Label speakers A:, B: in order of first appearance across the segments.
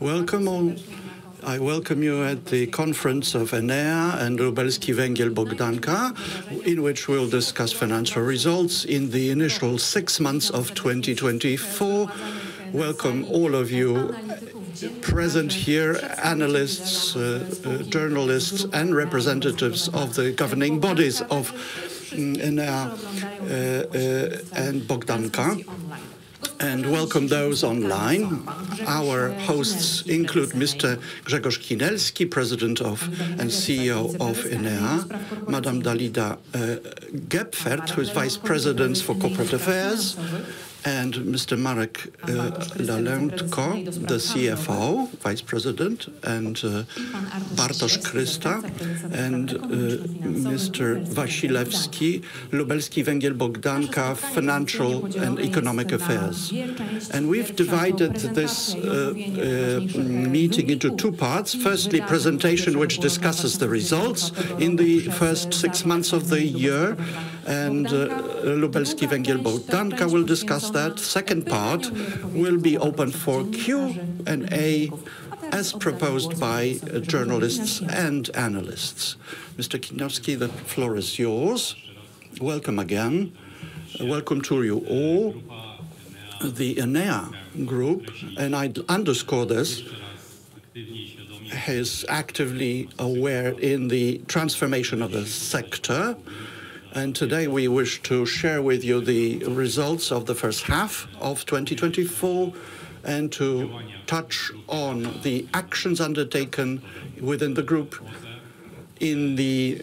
A: Welcome all. I welcome you at the conference of Enea and Lubelski Węgiel Bogdanka, in which we'll discuss financial results in the initial six months of 2024. Welcome, all of you present here, analysts, journalists, and representatives of the governing bodies of Enea, and Bogdanka, and welcome those online. Our hosts include Mr. Grzegorz Kinelski, President and CEO of Enea; Madam Dalida Gepfert, who is Vice President for Corporate Affairs; and Mr. Marek Lelątko, the CFO, Vice President; and Bartosz Krysta; and Mr. Wasilewski, Lubelski Węgiel Bogdanka, Financial and Economic Affairs. We've divided this meeting into two parts. Firstly, presentation, which discusses the results in the first six months of the year, and Lubelski Węgiel Bogdanka will discuss that. Second part will be open for Q&A, as proposed by journalists and analysts. Mr. Kinelski, the floor is yours.
B: Welcome again. Welcome to you all. The Enea Group, and I'd underscore this, is actively aware in the transformation of the sector, and today we wish to share with you the results of the first half of 2024 and to touch on the actions undertaken within the group in the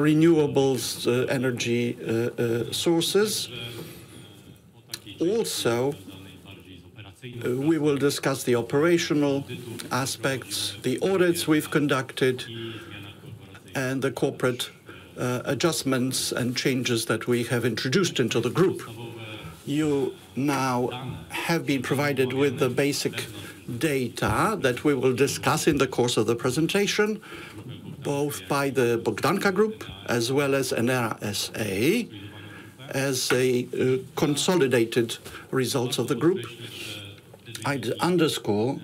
B: renewables energy sources. Also, we will discuss the operational aspects, the audits we've conducted, and the corporate adjustments and changes that we have introduced into the group. You now have been provided with the basic data that we will discuss in the course of the presentation, both by the Bogdanka Group, as well as Enea S.A., as a consolidated results of the group. I'd underscore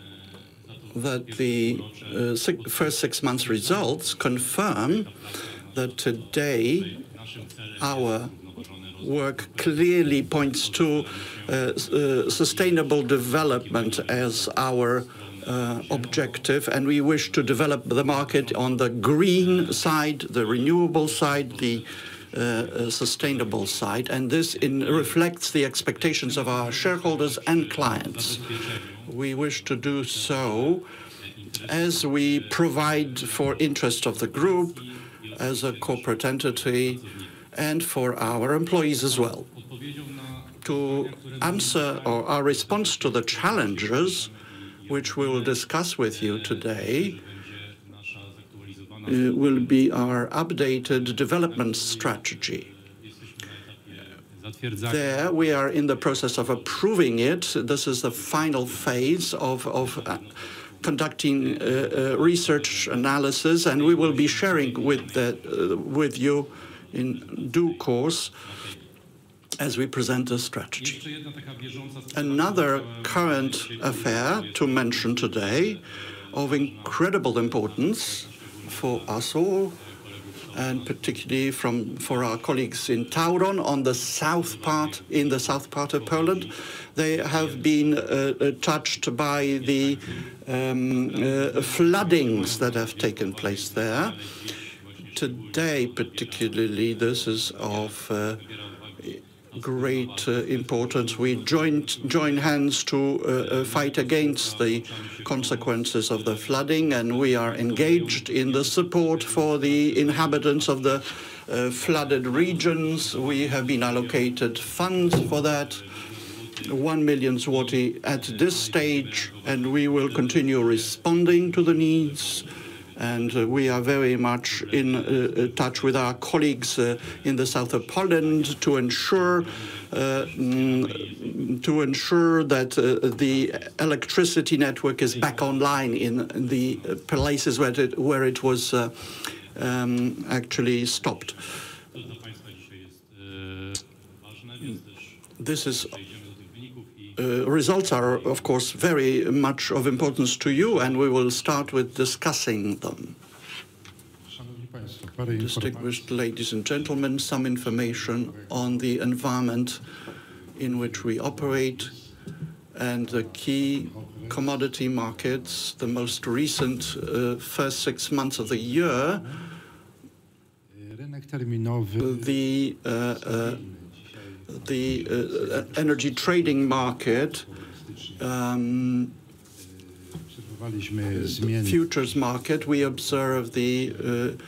B: that the first six months results confirm that today, our work clearly points to sustainable development as our objective, and we wish to develop the market on the green side, the renewable side, the sustainable side, and this reflects the expectations of our shareholders and clients. We wish to do so, as we provide for interest of the group, as a corporate entity, and for our employees as well. To answer, our response to the challenges, which we will discuss with you today, will be our updated development strategy. There, we are in the process of approving it. This is the final phase of conducting research analysis, and we will be sharing with the with you in due course, as we present the strategy. Another current affair to mention today, of incredible importance for us all, and particularly for our colleagues in Tauron, on the south part of Poland, they have been touched by the floodings that have taken place there. Today, particularly, this is of great importance. We join hands to fight against the consequences of the flooding, and we are engaged in the support for the inhabitants of the flooded regions. We have been allocated funds for that, 1 million zloty at this stage, and we will continue responding to the needs, and we are very much in touch with our colleagues in the south of Poland to ensure that the electricity network is back online in the places where it was actually stopped. Results are, of course, very much of importance to you, and we will start with discussing them. Distinguished ladies and gentlemen, some information on the environment in which we operate and the key commodity markets, the most recent first six months of the year. The energy trading market, futures market, we observe the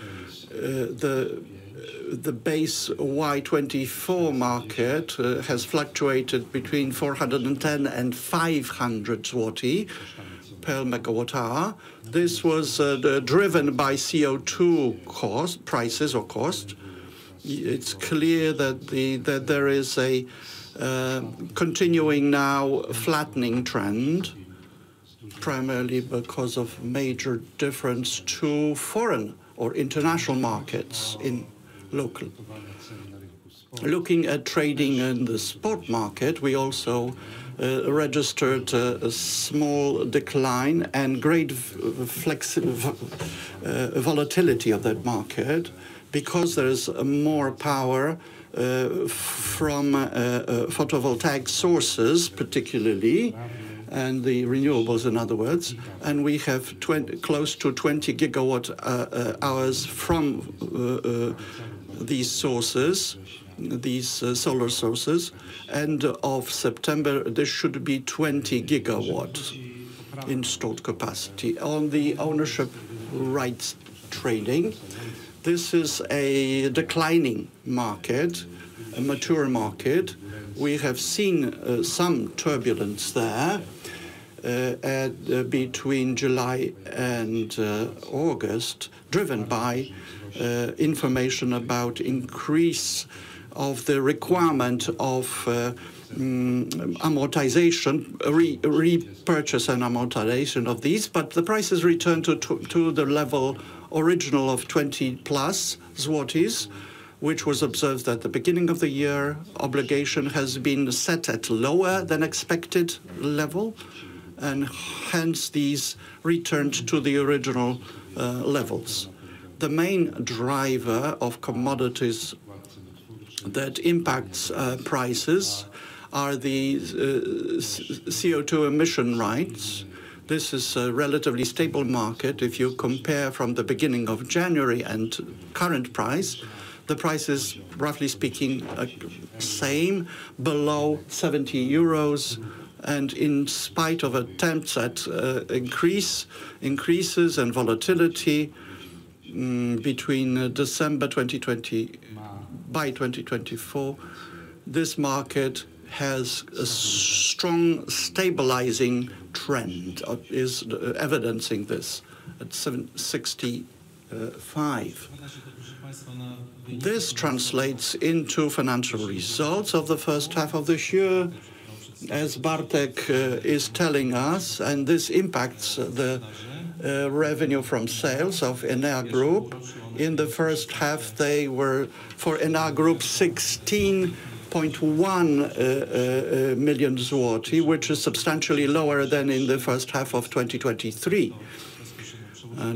B: Base Y-24 market has fluctuated between 410 and 500 zloty per megawatt hour. This was driven by CO2 cost, prices or cost. It's clear that there is a continuing now flattening trend, primarily because of major difference to foreign or international markets in local. Looking at trading in the spot market, we also registered a small decline and great volatility of that market, because there's more power from photovoltaic sources, particularly, and the renewables, in other words, and we have close to 20 gigawatt hours from these sources, these solar sources. As of September, there should be 20 gigawatts in installed capacity. On the emission rights trading, this is a declining market, a mature market. We have seen some turbulence there between July and August, driven by information about increase of the requirement of amortization, repurchase and amortization of these. But the price has returned to the original level of 20+ zlotys, which was observed at the beginning of the year. Allocation has been set at lower than expected level, and hence, these returned to the original levels. The main driver of commodities that impacts prices are the CO2 emission rights. This is a relatively stable market. If you compare from the beginning of January and current price, the price is, roughly speaking, same, below 70 euros. And in spite of attempts at increases and volatility between December 2020 by 2024, this market has a strong stabilizing trend is evidencing this at 76.5. This translates into financial results of the first half of this year, as Bartek is telling us, and this impacts the revenue from sales of Enea Group. In the first half, they were, for Enea Group, 16.1 million zloty, which is substantially lower than in the first half of 2023.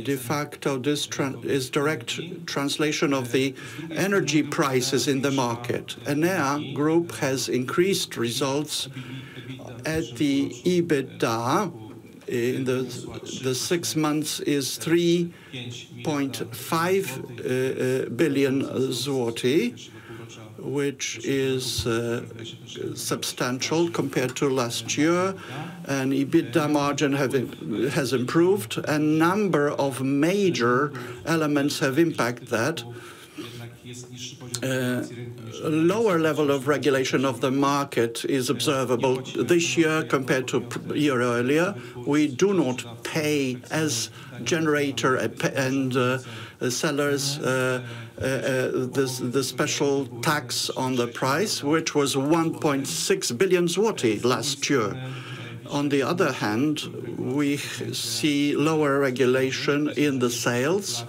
B: De facto, this is direct translation of the energy prices in the market. Enea Group has increased results at the EBITDA. The six months is 3.5 billion zloty, which is substantial compared to last year, and EBITDA margin has improved. A number of major elements have impacted that. A lower level of regulation of the market is observable this year compared to previous year. We do not pay as generator and producer and sellers the special tax on the price, which was 1.6 billion zloty last year. On the other hand, we see lower regulation in the sales.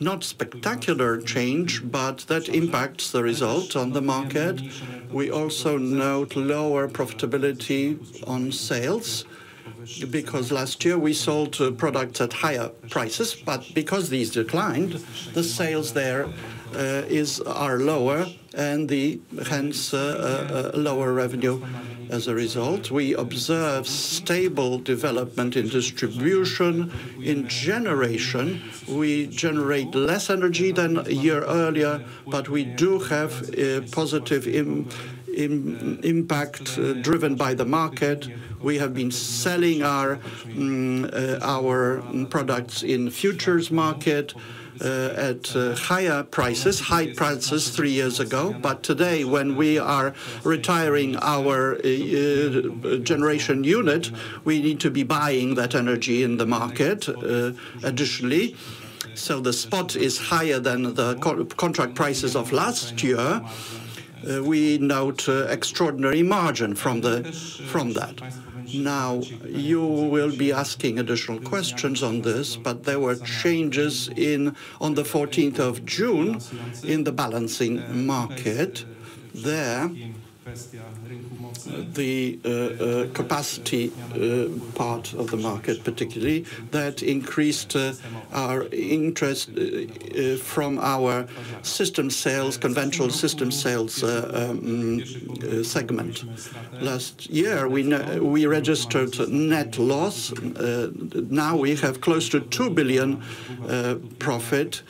B: Not spectacular change, but that impacts the result on the market. We also note lower profitability on sales, because last year we sold products at higher prices, but because these declined, the sales there is lower, and hence lower revenue as a result. We observe stable development in distribution. In generation, we generate less energy than a year earlier, but we do have a positive impact driven by the market. We have been selling our products in futures market at higher prices three years ago. But today, when we are retiring our generation unit, we need to be buying that energy in the market additionally. So the spot is higher than the contract prices of last year. We note extraordinary margin from that. Now, you will be asking additional questions on this, but there were changes on the fourteenth of June, in the Balancing Market. There, the capacity part of the market, particularly, that increased our interest from our system sales, conventional system sales segment. Last year, we registered net loss. Now we have close to 2 billion profit.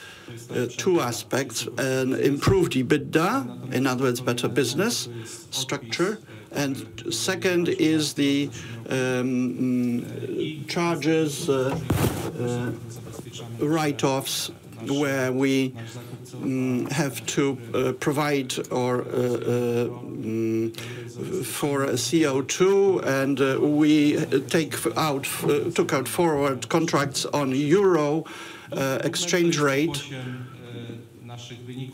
B: Two aspects, an improved EBITDA, in other words, better business structure. And second is the charges, write-offs, where we have to provide for CO2, and we took out forward contracts on euro exchange rate. Our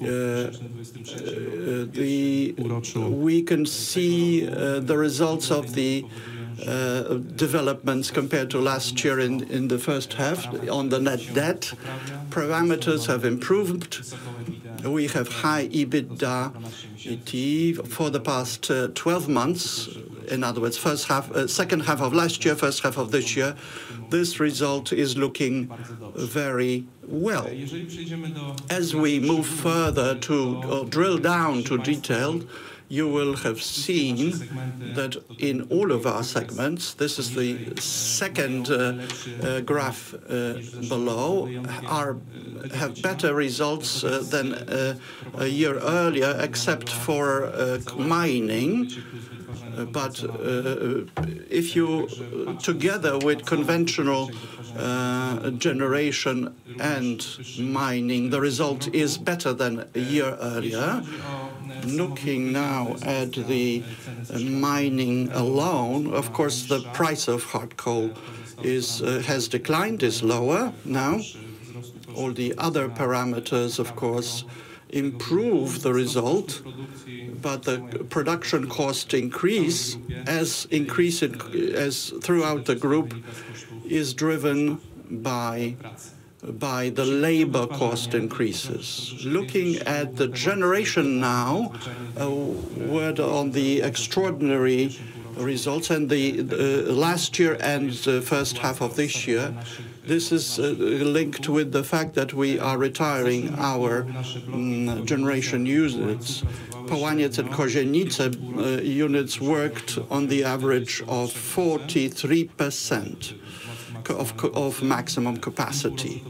B: results in 2023, we can see the results of the developments compared to last year in the first half on the net debt. Parameters have improved. We have high EBITDA for the past twelve months. In other words, first half, second half of last year, first half of this year, this result is looking very well. As we move further to drill down to detail, you will have seen that in all of our segments, this is the second graph below have better results than a year earlier, except for mining. But if you together with conventional generation and mining, the result is better than a year earlier. Looking now at the mining alone, of course, the price of hard coal has declined, is lower now. All the other parameters, of course, improve the result, but the production cost increase as throughout the group is driven by the labor cost increases. Looking at the generation now, a word on the extraordinary results and the last year and the first half of this year, this is linked with the fact that we are retiring our generation units. Połaniec and Kozienice units worked on the average of 43% of maximum capacity.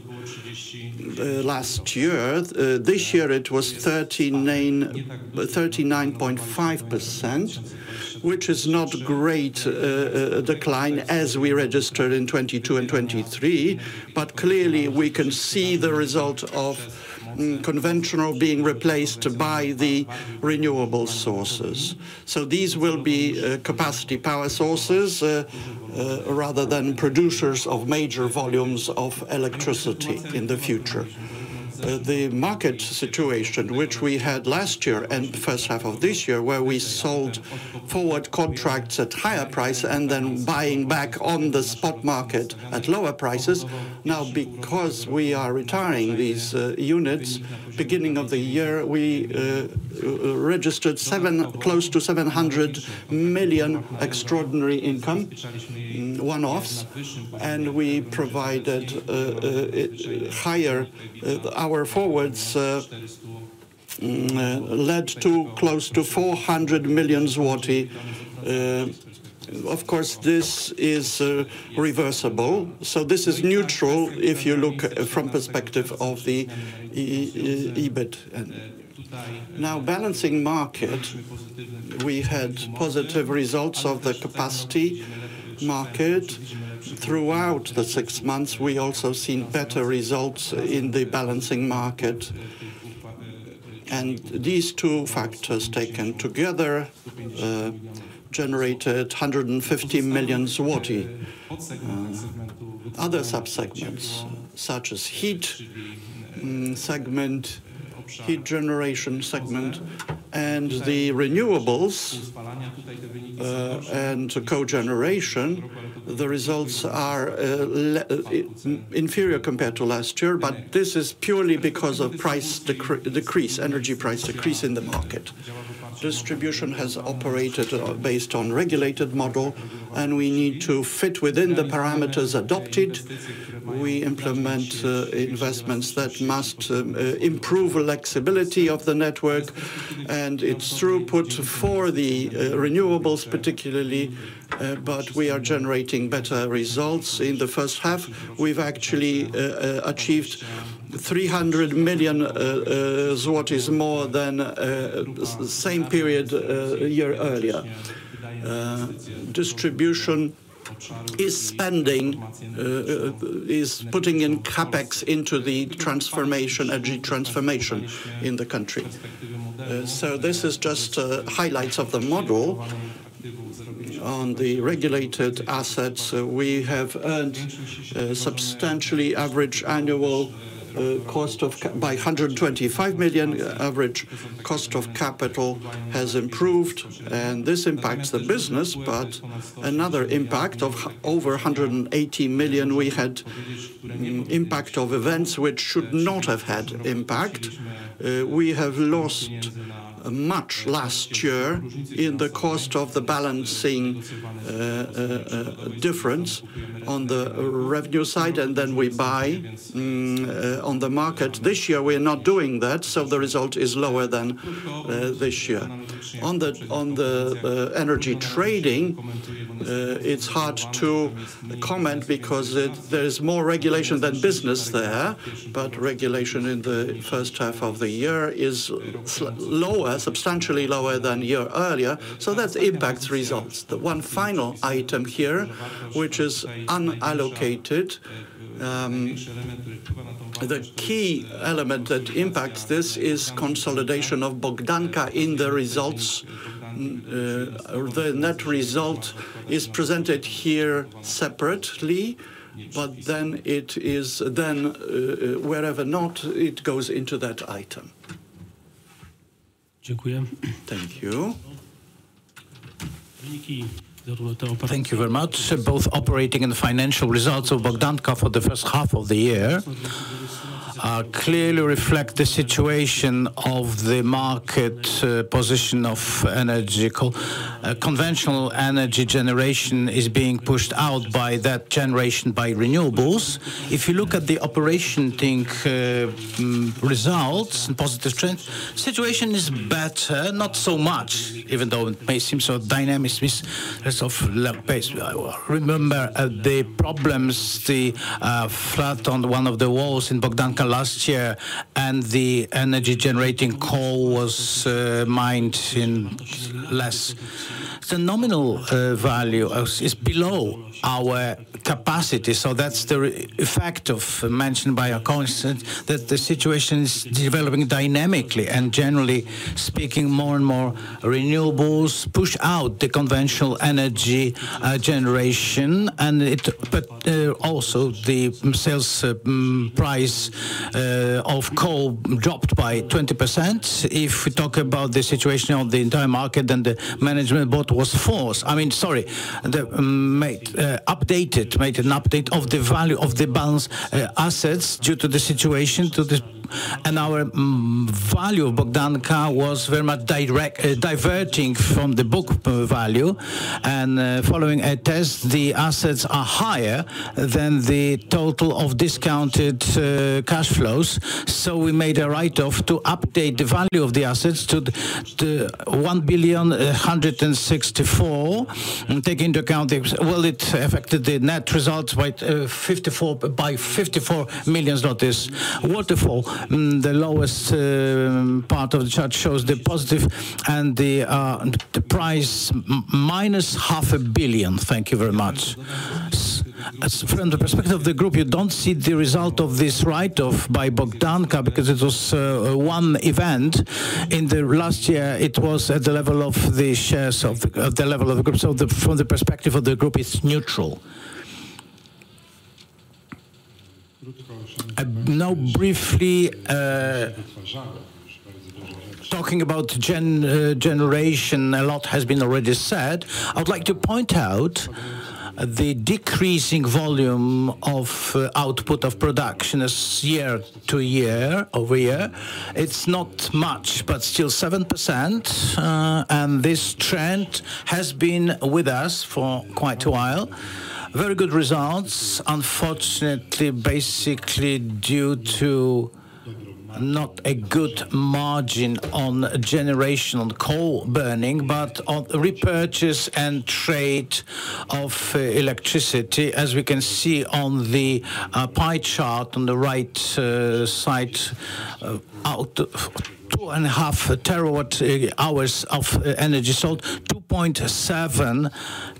B: Last year, this year it was 39, 39.5%, which is not great decline as we registered in 2022 and 2023. But clearly, we can see the result of conventional being replaced by the renewable sources. So these will be capacity power sources rather than producers of major volumes of electricity in the future. The market situation, which we had last year and the first half of this year, where we sold forward contracts at higher price and then buying back on the spot market at lower prices. Now, because we are retiring these units, beginning of the year, we registered close to 700 million extraordinary income, one-offs, and our forwards led to close to 400 million zloty. Of course, this is reversible, so this is neutral if you look from perspective of the EBIT. Now, balancing market, we had positive results of the Capacity Market. Throughout the six months, we also seen better results in the balancing market. These two factors, taken together, generated 150 million PLN. Other sub-segments, such as heat segment, heat generation segment, and the renewables and cogeneration, the results are inferior compared to last year, but this is purely because of price decrease, energy price decrease in the market. Distribution has operated based on regulated model, and we need to fit within the parameters adopted. We implement investments that must improve flexibility of the network and its throughput for the renewables, particularly, but we are generating better results. In the first half, we've actually achieved PLN 300 million, more than the same period a year earlier. Distribution is putting in CapEx into the transformation, energy transformation in the country. So this is just highlights of the model. On the regulated assets, we have earned a substantially average annual cost of capital of 125 million. Average cost of capital has improved, and this impacts the business, but another impact of over 180 million, we had impact of events which should not have had impact. We have lost much last year in the cost of the balancing difference on the revenue side, and then we buy on the market. This year, we are not doing that, so the result is lower than this year. On the energy trading, it's hard to comment because there's more regulation than business there, but regulation in the first half of the year is lower, substantially lower than year earlier, so that impacts results. The one final item here, which is unallocated, the key element that impacts this is consolidation of Bogdanka in the results. The net result is presented here separately, but then it is... Then, wherever not, it goes into that item. Thank you. Thank you very much. Both operating and financial results of Bogdanka for the first half of the year clearly reflect the situation of the market position of energy. Conventional energy generation is being pushed out by that generation by renewables. If you look at the operational results and positive trend, situation is better, not so much, even though it may seem so, dynamics is less of pace. Remember the problems, the flood on one of the walls in Bogdanka last year, and the energy-generating coal was mined less. The nominal value is below our capacity, so that's the effect mentioned by our consultant, that the situation is developing dynamically. Generally speaking, more and more renewables push out the conventional energy generation, but also the sales price of coal dropped by 20%. If we talk about the situation of the entire market, then the management board was forced. I mean, sorry, made an update of the value of the balance sheet assets due to the situation, to the. Our value of Bogdanka was very much deviating from the book value. Following a test, the assets are higher than the total of discounted cash flows. So we made a write-off to update the value of the assets to the 1.164 billion and take into account the. Well, it affected the net results by $54 million. Waterfall, the lowest part of the chart shows the positive and the price minus 500 million. Thank you very much. From the perspective of the group, you don't see the result of this write-off by Bogdanka, because it was one event. In the last year, it was at the level of the shares of the, at the level of the group. So, from the perspective of the group, it's neutral. Now, briefly, talking about generation, a lot has been already said. I would like to point out the decreasing volume of output of production as year to year, over year. It's not much, but still 7%, and this trend has been with us for quite a while. Very good results, unfortunately, basically, due to not a good margin on generation on coal burning, but on repurchase and trade of electricity. As we can see on the pie chart on the right side, of two and a half terawatt hours of energy sold, two point seven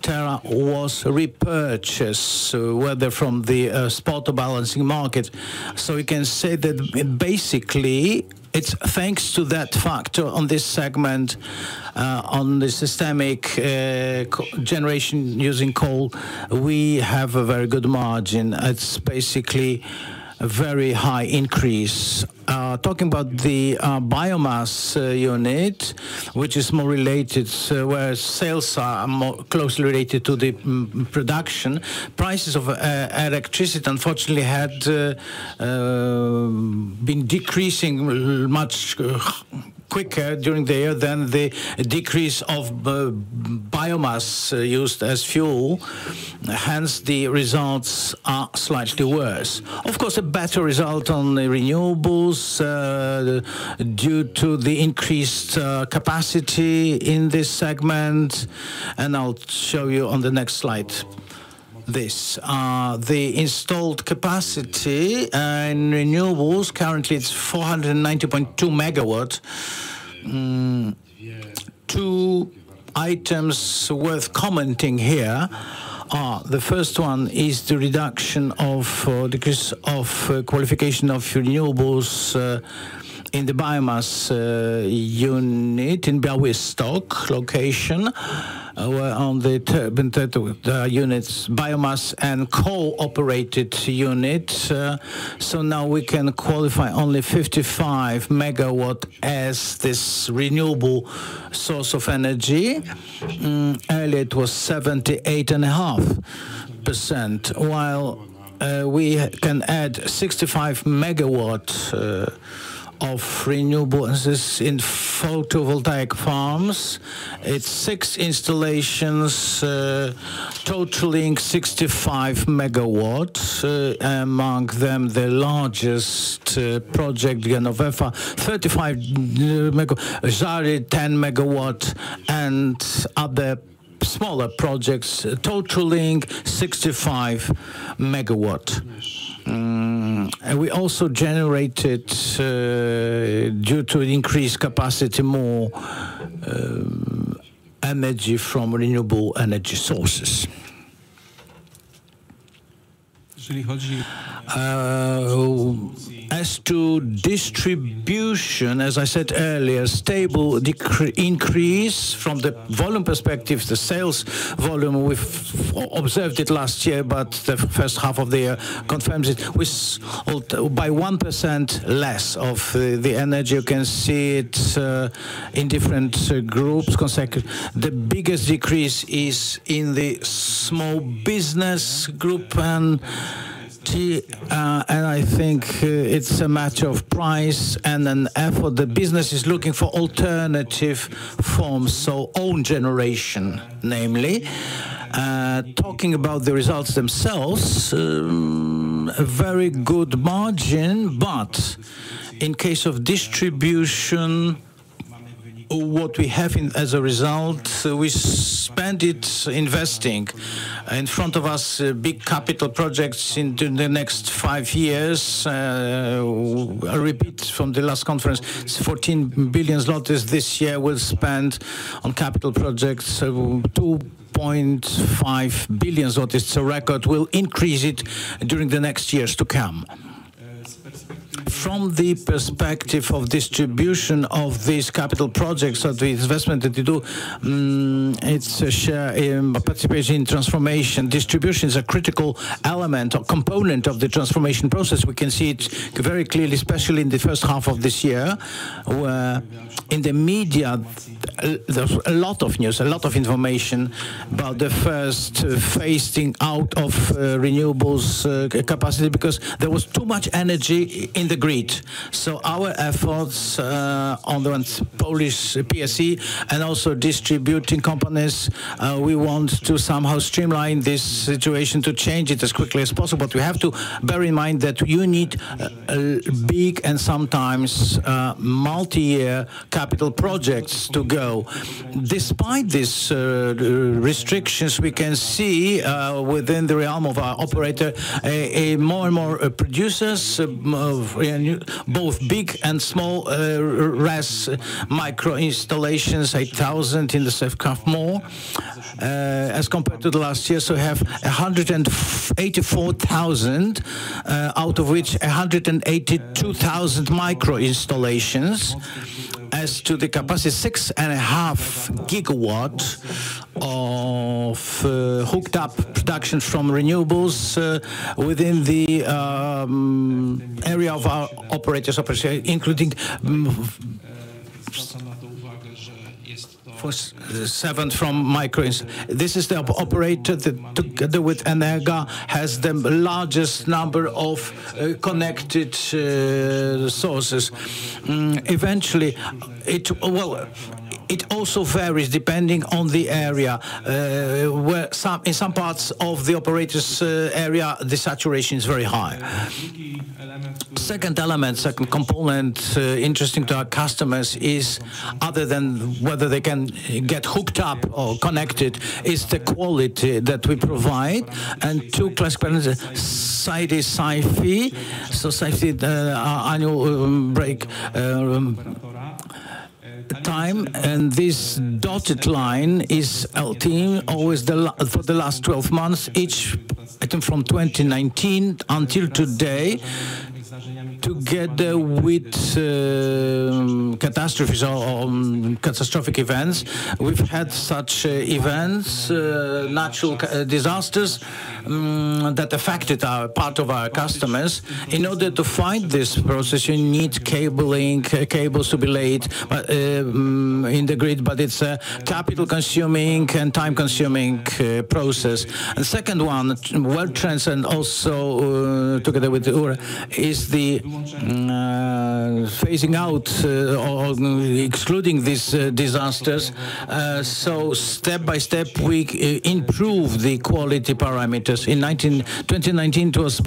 B: terawatt hours was repurchased, whether from the spot or balancing market. So we can say that basically, it's thanks to that factor on this segment, on the systemic co-generation using coal, we have a very good margin. It's basically a very high increase. Talking about the biomass unit, which is more related, where sales are more closely related to the production. Prices of electricity, unfortunately, had been decreasing much quicker during the year than the decrease of biomass used as fuel, hence, the results are slightly worse. Of course, a better result on the renewables due to the increased capacity in this segment, and I'll show you on the next slide. This, the installed capacity in renewables, currently it's 490.2 MW. Two items worth commenting here are, the first one is the reduction, decrease of qualification of renewables in the biomass unit in Białystok location on the the units, biomass and coal-operated unit. So now we can qualify only 55 MW as this renewable source of energy. Earlier it was 78.5%. While we can add sixty-five megawatts of renewables in photovoltaic farms. It's six installations totaling 65 MW, among them the largest project, Genowefa, 35 MW, Żary, 10 MW, and other smaller projects totaling 65 MW. And we also generated due to an increased capacity more energy from renewable energy sources. As to distribution, as I said earlier, stable increase from the volume perspective, the sales volume, we've observed it last year, but the first half of the year confirms it. We sold by 1% less of the energy, you can see it in different groups consecutive. The biggest decrease is in the small business group, and I think it's a matter of price and an effort. The business is looking for alternative forms, so own generation, namely. Talking about the results themselves, a very good margin, but in case of distribution, what we have in as a result, we spend it investing. In front of us, big capital projects into the next five years. I'll repeat from the last conference, 14 billion zlotys this year was spent on capital projects. So 2.5 billion zlotys, it's a record. We'll increase it during the next years to come. From the perspective of distribution of these capital projects, of the investment that we do, it's a share, participation in transformation. Distribution is a critical element or component of the transformation process. We can see it very clearly, especially in the first half of this year, where in the media, there's a lot of news, a lot of information about the first phasing out of renewables capacity, because there was too much energy in the grid. So our efforts on the Polish PSE and also distribution companies, we want to somehow streamline this situation, to change it as quickly as possible. We have to bear in mind that you need big and sometimes multi-year capital projects to go. Despite these restrictions, we can see within the realm of our operator more and more producers of both big and small RES micro-installations, 8,000 more as compared to the last year. So we have 184,000, out of which 182,000 micro installations. As to the capacity, 6.5 GW of hooked up production from renewables within the area of our operator's operation. This is the operator, together with Energa, has the largest number of connected sources. Eventually, it also varies depending on the area where some in some parts of the operator's area, the saturation is very high. Second element, second component interesting to our customers is, other than whether they can get hooked up or connected, is the quality that we provide, and two classic parameters, SAIDI, SAIFI. SAIDI, the annual break time, and this dotted line is our target, always the last 12 months, each item from 2019 until today, together with catastrophes or catastrophic events. We've had such events, natural disasters that affected a part of our customers. In order to fight this process, you need cables to be laid in the grid, but it's a capital-consuming and time-consuming process. The second one, world trends and also together with the authority, is the phasing out or excluding these disasters. So step by step, we improve the quality parameters. In 2019 it was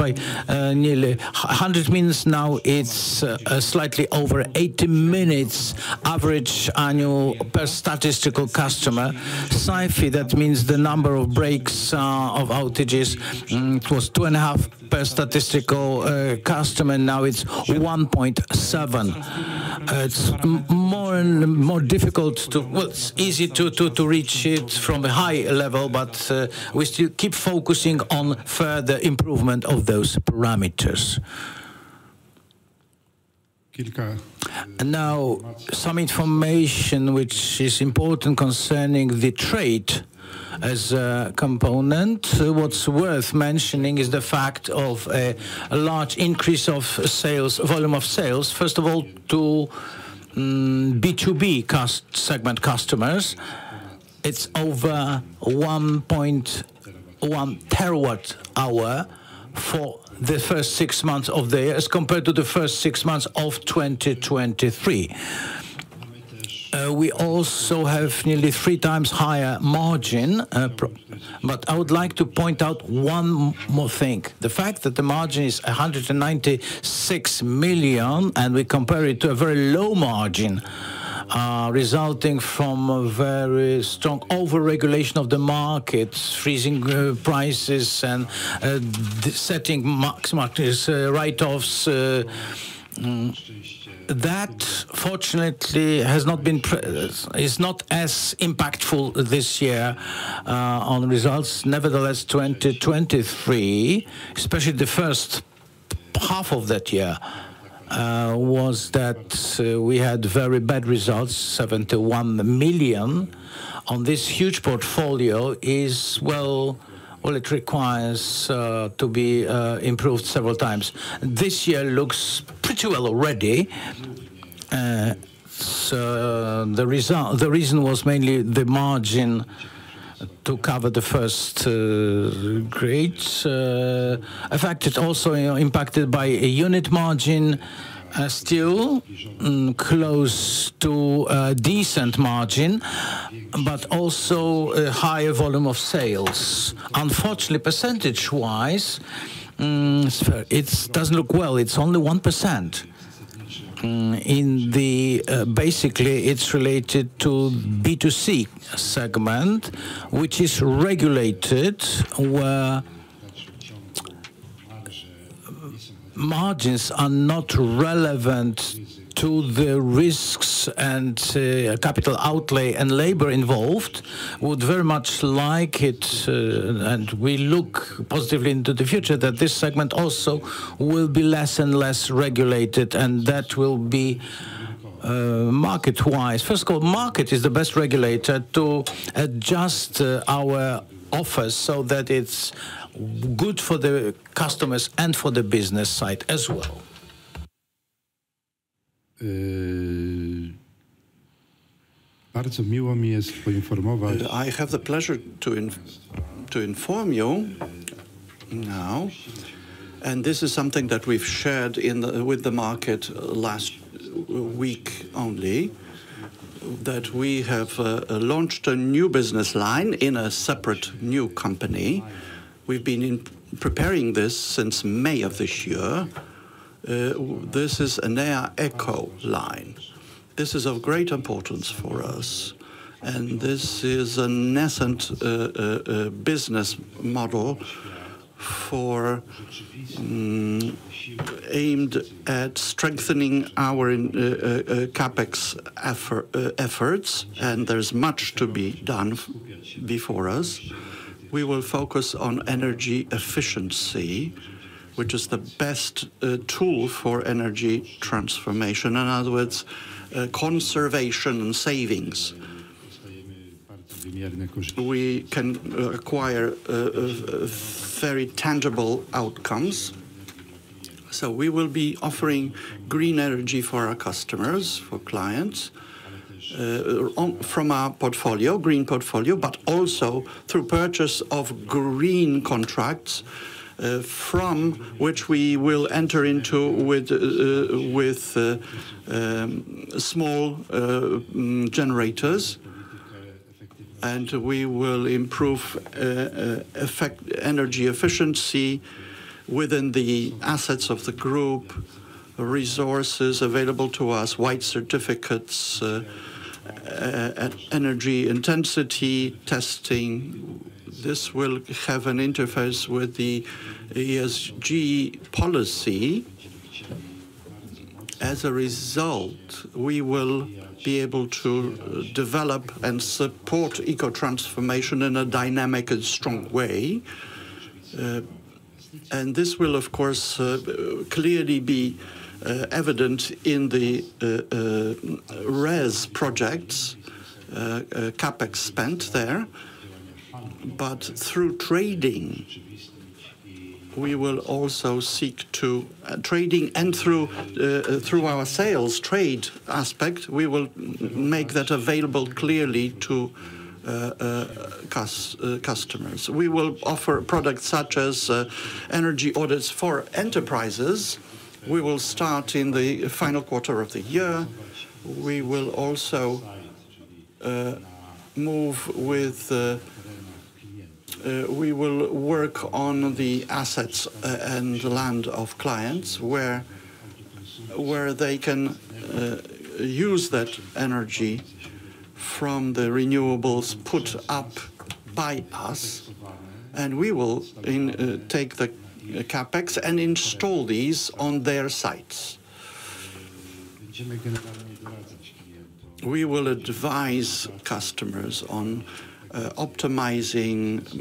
B: nearly 100 minutes, now it's slightly over 80 minutes, average annual per statistical customer. SAIFI, that means the number of breaks of outages. It was 2.5 per statistical customer. Now it's 1.7. It's more and more difficult to... Well, it's easy to reach it from a high level, but we still keep focusing on further improvement of those parameters. Now, some information which is important concerning the trade as a component. What's worth mentioning is the fact of a large increase of sales volume of sales, first of all, to B2B customer segment customers. It's over 1.1 terawatt hour for the first six months of the year as compared to the first six months of 2023. We also have nearly three times higher margin, but I would like to point out one more thing. The fact that the margin is 196 million, and we compare it to a very low margin resulting from a very strong overregulation of the market, freezing prices, and setting max write-offs. That, fortunately, is not as impactful this year on the results. Nevertheless, 2023, especially the first half of that year, was that we had very bad results, 71 million on this huge portfolio is, well, it requires to be improved several times. This year looks pretty well already. So the reason was mainly the margin to cover the first grades. Affected also, impacted by a unit margin still close to a decent margin, but also a higher volume of sales. Unfortunately, percentage-wise, it's doesn't look well, it's only 1%. Basically, it's related to B2C segment, which is regulated, where margins are not relevant to the risks and capital outlay and labor involved. Would very much like it, and we look positively into the future, that this segment also will be less and less regulated, and that will be market-wise. First of all, market is the best regulator to adjust our offers so that it's good for the customers and for the business side as well. I have the pleasure to inform you now, and this is something that we've shared with the market last week only, that we have launched a new business line in a separate new company. We've been preparing this since May of this year. This is an Enea Eco line. This is of great importance for us, and this is a nascent business model aimed at strengthening our CapEx efforts, and there's much to be done before us. We will focus on energy efficiency, which is the best tool for energy transformation. In other words, conservation and savings. We can acquire very tangible outcomes. So we will be offering green energy for our customers, for clients, on... from our portfolio, green portfolio, but also through purchase of green contracts from which we will enter into with small generators. And we will improve energy efficiency within the assets of the group, resources available to us, white certificates, energy intensity testing. This will have an interface with the ESG policy. As a result, we will be able to develop and support eco transformation in a dynamic and strong way, and this will, of course, clearly be evident in the RES projects, CapEx spent there, but through trading, we will also seek to... trading and through our sales trade aspect, we will make that available clearly to customers. We will offer products such as energy audits for enterprises. We will start in the final quarter of the year. We will also move with we will work on the assets and land of clients, where they can use that energy from the renewables put up by us, and we will take the CapEx and install these on their sites. We will advise customers on optimizing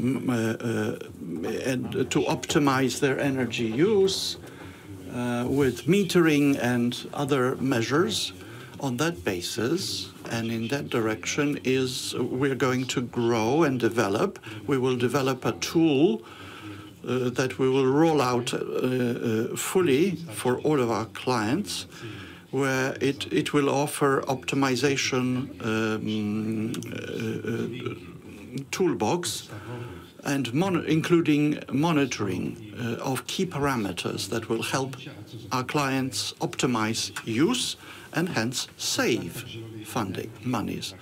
B: and to optimize their energy use with metering and other measures. On that basis, and in that direction, is we're going to grow and develop. We will develop a tool that we will roll out fully for all of our clients, where it will offer optimization toolbox and including monitoring of key parameters that will help our clients optimize use, and hence, save funding monies.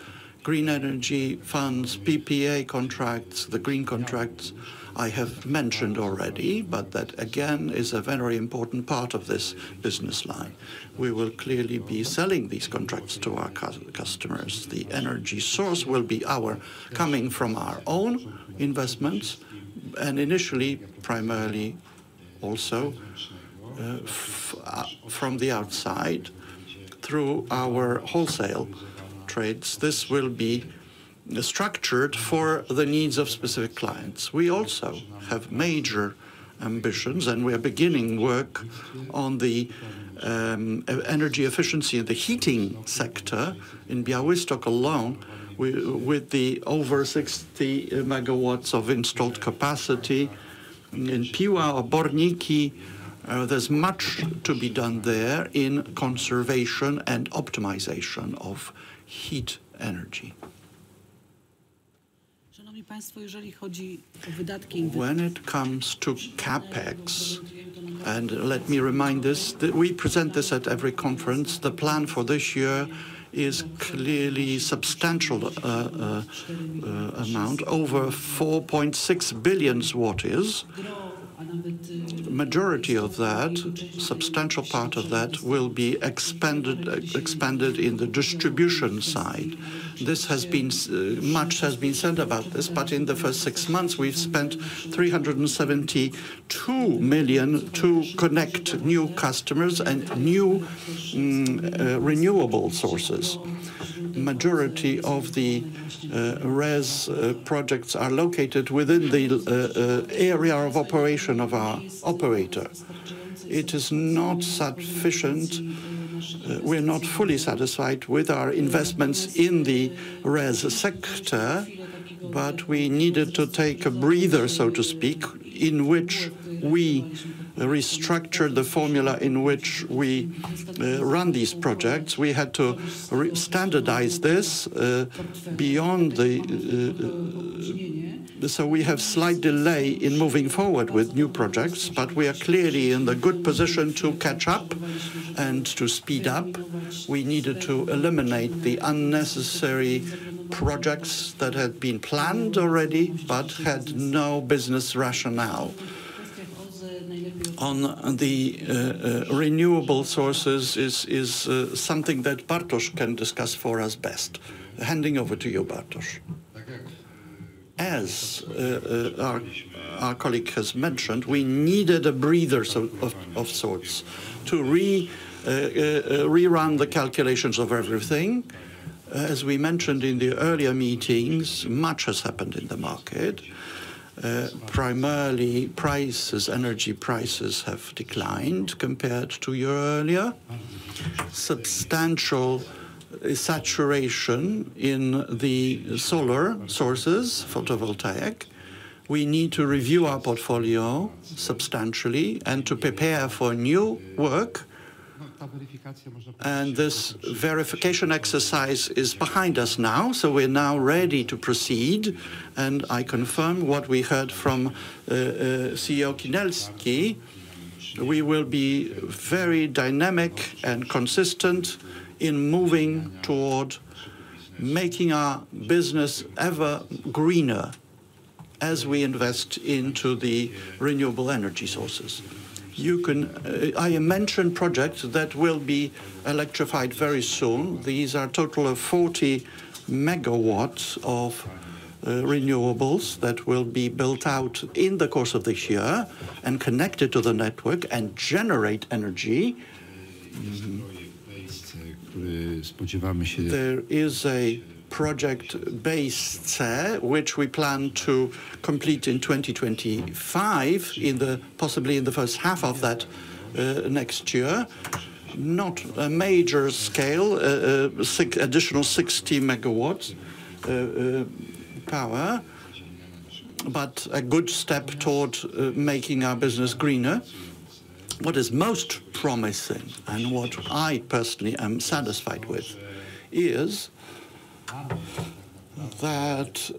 B: Green energy funds, PPA contracts, the green contracts I have mentioned already, but that, again, is a very important part of this business line. We will clearly be selling these contracts to our customers. The energy source will be our, coming from our own investments, and initially, primarily, also, from the outside, through our wholesale trades. This will be structured for the needs of specific clients. We also have major ambitions, and we are beginning work on the energy efficiency in the heating sector. In Białystok alone, we, with the over 60 megawatts of installed capacity, in Piła or Oborniki, there's much to be done there in conservation and optimization of heat energy. [unintelligible] When it comes to CapEx, and let me remind us, that we present this at every conference, the plan for this year is clearly substantial amount, over 4.6 billion zlotys. Majority of that, substantial part of that, will be expanded in the distribution side. This has been. Much has been said about this, but in the first six months, we've spent 372 million to connect new customers and new renewable sources. Majority of the RES projects are located within the area of operation of our operator. It is not sufficient. We're not fully satisfied with our investments in the RES sector, but we needed to take a breather, so to speak, in which we restructure the formula in which we run these projects. We had to re-standardize this beyond the. So we have slight delay in moving forward with new projects, but we are clearly in the good position to catch up and to speed up. We needed to eliminate the unnecessary projects that had been planned already but had no business rationale. On the, On the renewable sources is something that Bartosz can discuss for us best. Handing over to you, Bartosz. As our colleague has mentioned, we needed a breather of sorts to rerun the calculations of everything. As we mentioned in the earlier meetings, much has happened in the market. Primarily, prices, energy prices have declined compared to a year earlier. Substantial saturation in the solar sources, photovoltaic. We need to review our portfolio substantially and to prepare for new work. And this verification exercise is behind us now, so we're now ready to proceed, and I confirm what we heard from CEO Kinelski. We will be very dynamic and consistent in moving toward making our business ever greener as we invest into the renewable energy sources. You can,I mentioned projects that will be electrified very soon. These are a total of 40 megawatts of renewables that will be built out in the course of this year, and connected to the network, and generate energy. There is a project base which we plan to complete in 2025, possibly in the first half of that next year. Not a major scale, additional 60 megawatts power, but a good step toward making our business greener. What is most promising, and what I personally am satisfied with, is that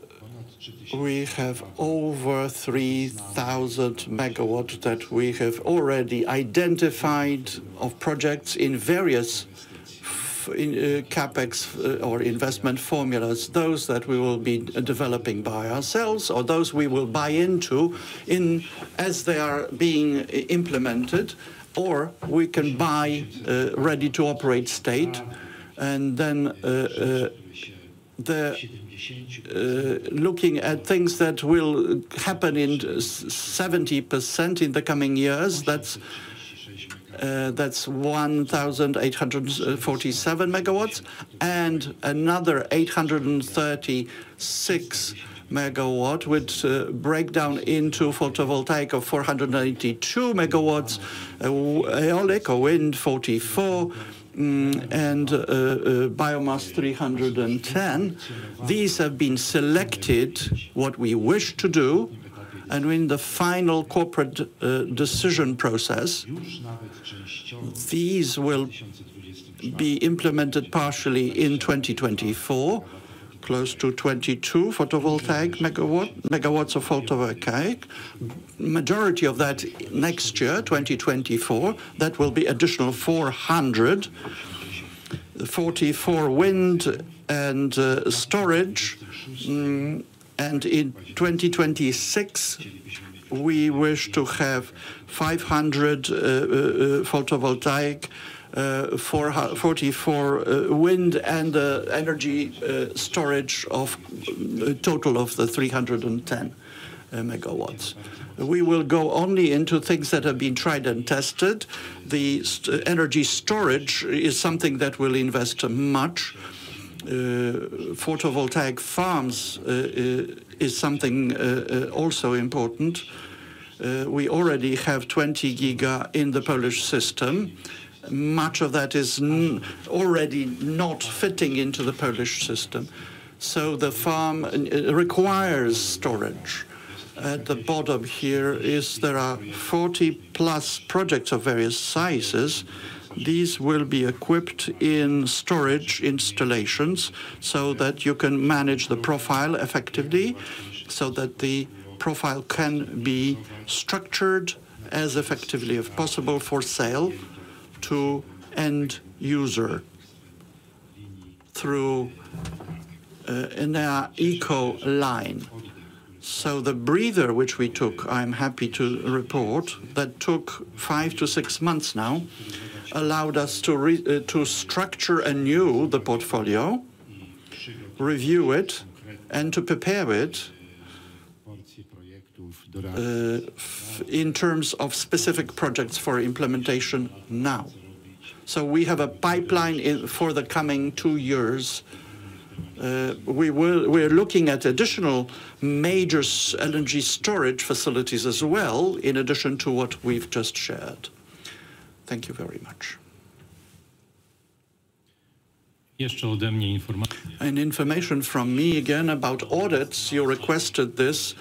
B: we have over 3,000 megawatts that we have already identified of projects in various CapEx or investment formulas, those that we will be developing by ourselves or those we will buy into as they are being implemented, or we can buy ready-to-operate state. And then, looking at things that will happen in 70% in the coming years, that's 1,847 MW, and another 836 MW, which break down into photovoltaic of 492 MW, aeolic or wind 44, and biomass 310. These have been selected, what we wish to do, and we're in the final corporate decision process. These will be implemented partially in 2024, close to 22 photovoltaic megawatt, megawatts of photovoltaic. Majority of that, next year, 2024, that will be additional 444 wind and storage. In 2026, we wish to have 500 photovoltaic, 44 wind, and energy storage of a total of 310 MW. We will go only into things that have been tried and tested. The energy storage is something that we'll invest much. Photovoltaic farms is something also important. We already have 20 GW in the Polish system. Much of that is already not fitting into the Polish system, so the farm requires storage. At the bottom here there are 40+ projects of various sizes. These will be equipped in storage installations, so that you can manage the profile effectively, so that the profile can be structured as effectively as possible for sale to end user through Enea Eco line. The breather which we took, I'm happy to report, that took five to six months now, allowed us to restructure the portfolio, review it, and to prepare it in terms of specific projects for implementation now. We have a pipeline for the coming two years. We're looking at additional major LNG storage facilities as well, in addition to what we've just shared. Thank you very much. Information from me again about audits. You requested this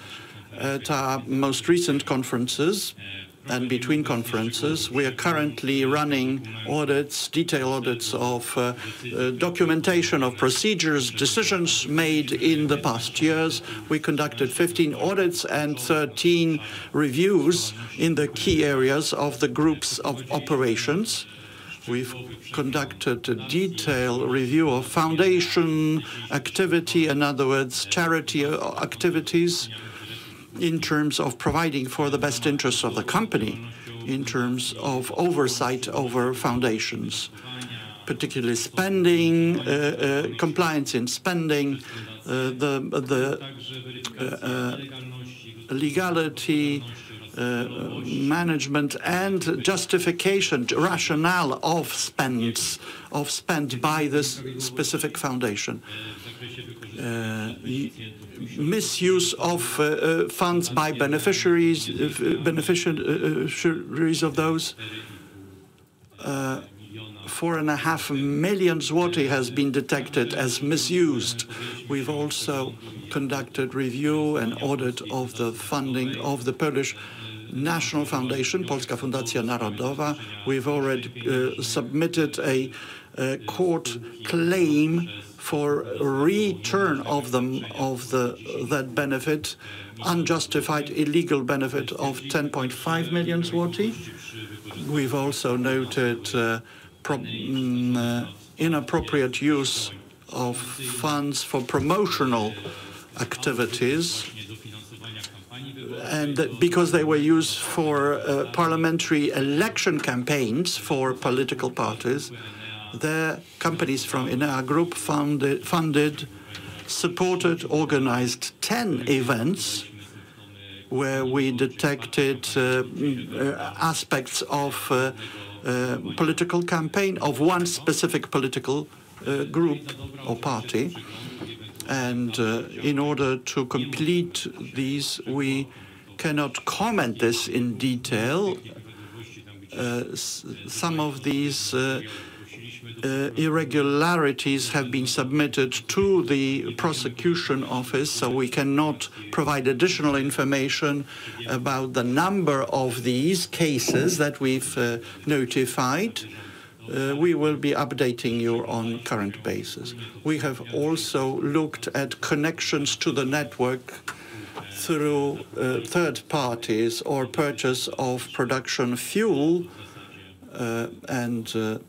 B: at our most recent conferences and between conferences. We are currently running audits, detailed audits of documentation of procedures, decisions made in the past years. We conducted 15 audits and 13 reviews in the key areas of the groups of operations. We've conducted a detailed review of foundation activity, in other words, charity or activities, in terms of providing for the best interests of the company, in terms of oversight over foundations, particularly spending, compliance in spending, the legality, management, and justification, rationale of spends - of spend by this specific foundation. Misuse of funds by beneficiaries of those 4.5 million zloty has been detected as misused. We've also conducted review and audit of the funding of the Polish National Foundation, Polska Fundacja Narodowa. We've already submitted a court claim for return of that benefit, unjustified, illegal benefit of 10.5 million. We've also noted inappropriate use of funds for promotional activities, and because they were used for parliamentary election campaigns for political parties, the companies from Enea Group funded, supported, organized 10 events where we detected aspects of a political campaign of one specific political group or party. In order to complete these, we cannot comment this in detail. Some of these irregularities have been submitted to the prosecution office, so we cannot provide additional information about the number of these cases that we've notified. We will be updating you on current basis. We have also looked at connections to the network through third parties or purchase of production fuel, and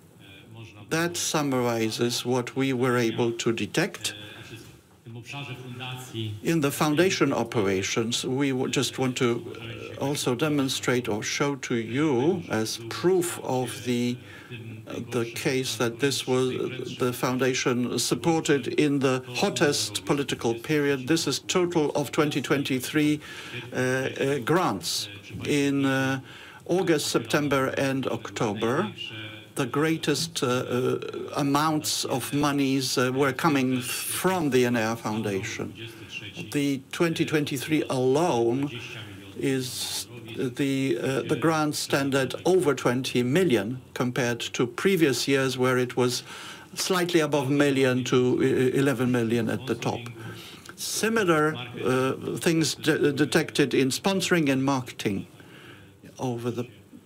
B: that summarizes what we were able to detect. In the foundation operations, we just want to also demonstrate or show to you as proof of the case that this was the foundation supported in the hottest political period. This is total of 2023 grants. In August, September, and October, the greatest amounts of monies were coming from the Enea Foundation. The 2023 alone is the grants stand at over 20 million, compared to previous years, where it was slightly above 1 million to 11 million at the top. Similar things detected in sponsoring and marketing. Over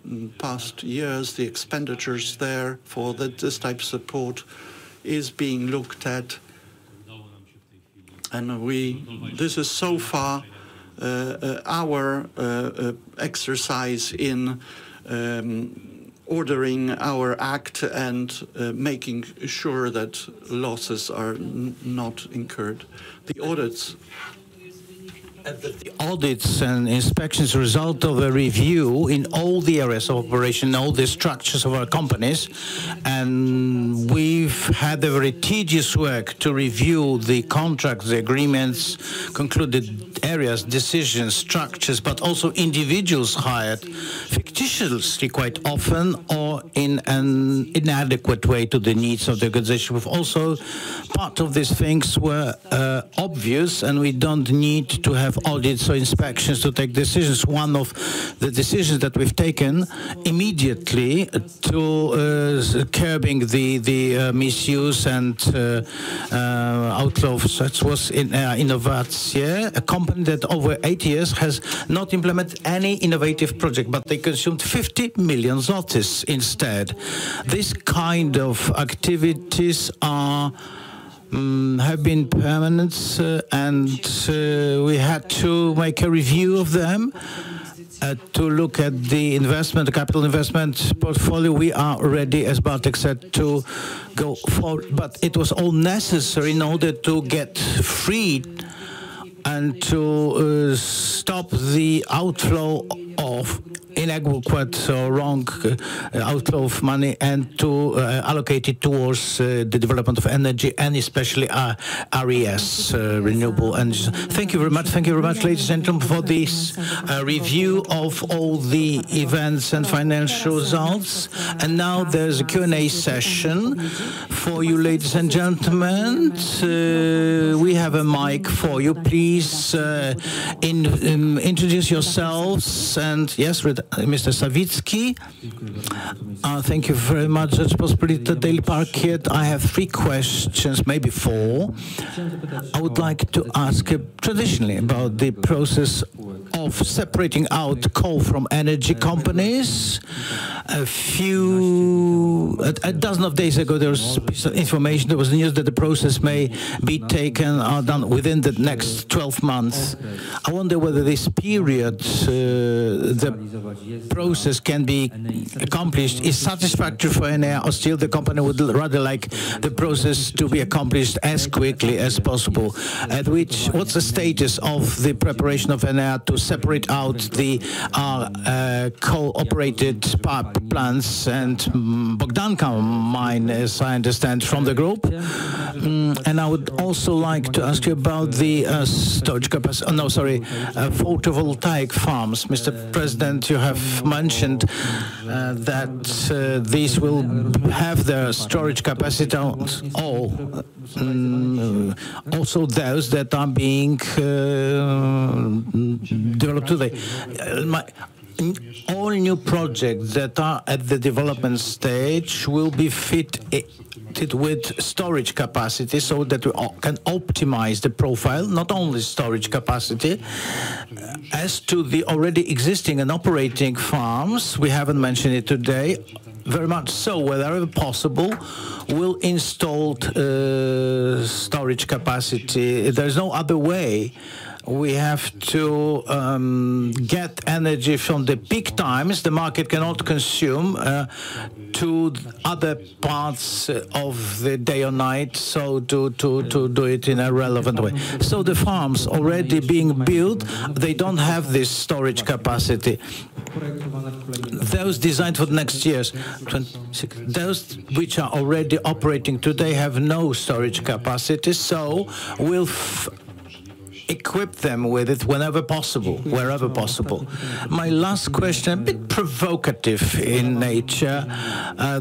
B: the past years, the expenditures there for this type of support is being looked at. We... This is so far our exercise in ordering our act and making sure that losses are not incurred. The audits. ...and the audits and inspections result of a review in all the areas of operation, all the structures of our companies. We've had a very tedious work to review the contracts, the agreements, concluded areas, decisions, structures, but also individuals hired fictitiously quite often or in an inadequate way to the needs of the organization. Also, part of these things were obvious, and we don't need to have audits or inspections to take decisions. One of the decisions that we've taken immediately to curbing the misuse and outflow of such was in Innowacje, a company that over eight years has not implemented any innovative project, but they consumed 50 million zlotys instead. This kind of activities are have been permanent, and we had to make a review of them to look at the investment, the capital investment portfolio. We are ready, as Bartek said, to go forward. But it was all necessary in order to get freed and to stop the outflow of inadequate or wrong outflow of money, and to allocate it towards the development of energy, and especially RES renewable energy. Thank you very much. Thank you very much, ladies and gentlemen, for this review of all the events and financial results. And now, there's a Q&A session for you, ladies and gentlemen. We have a mic for you. Please introduce yourselves, and yes, Mr. Sawicki.
C: Thank you very much. I'm Bartłomiej Sawicki from Parkiet here. I have three questions, maybe four. I would like to ask traditionally about the process of separating out coal from energy companies. A dozen days ago, there was a piece of information that was in the news, that the process may be taken or done within the next twelve months. I wonder whether this period, the process can be accomplished, is satisfactory for Enea, or still the company would rather like the process to be accomplished as quickly as possible? What's the status of the preparation of Enea to separate out the coal-operated power plants and Bogdanka mine, as I understand, from the group? And I would also like to ask you about the photovoltaic farms. Mr.President, you have mentioned that these will have the storage capacity on all, also those that are being developed today. All new projects that are at the development stage will be fit with storage capacity so that we can optimize the profile, not only storage capacity. As to the already existing and operating farms, we haven't mentioned it today, very much so, wherever possible, we'll install storage capacity. There's no other way. We have to get energy from the peak times. The market cannot consume to other parts of the day or night, so to do it in a relevant way. So the farms already being built, they don't have this storage capacity. Those designed for the next years, 2026, those which are already operating today have no storage capacity, so we'll equip them with it whenever possible, wherever possible. My last question, a bit provocative in nature.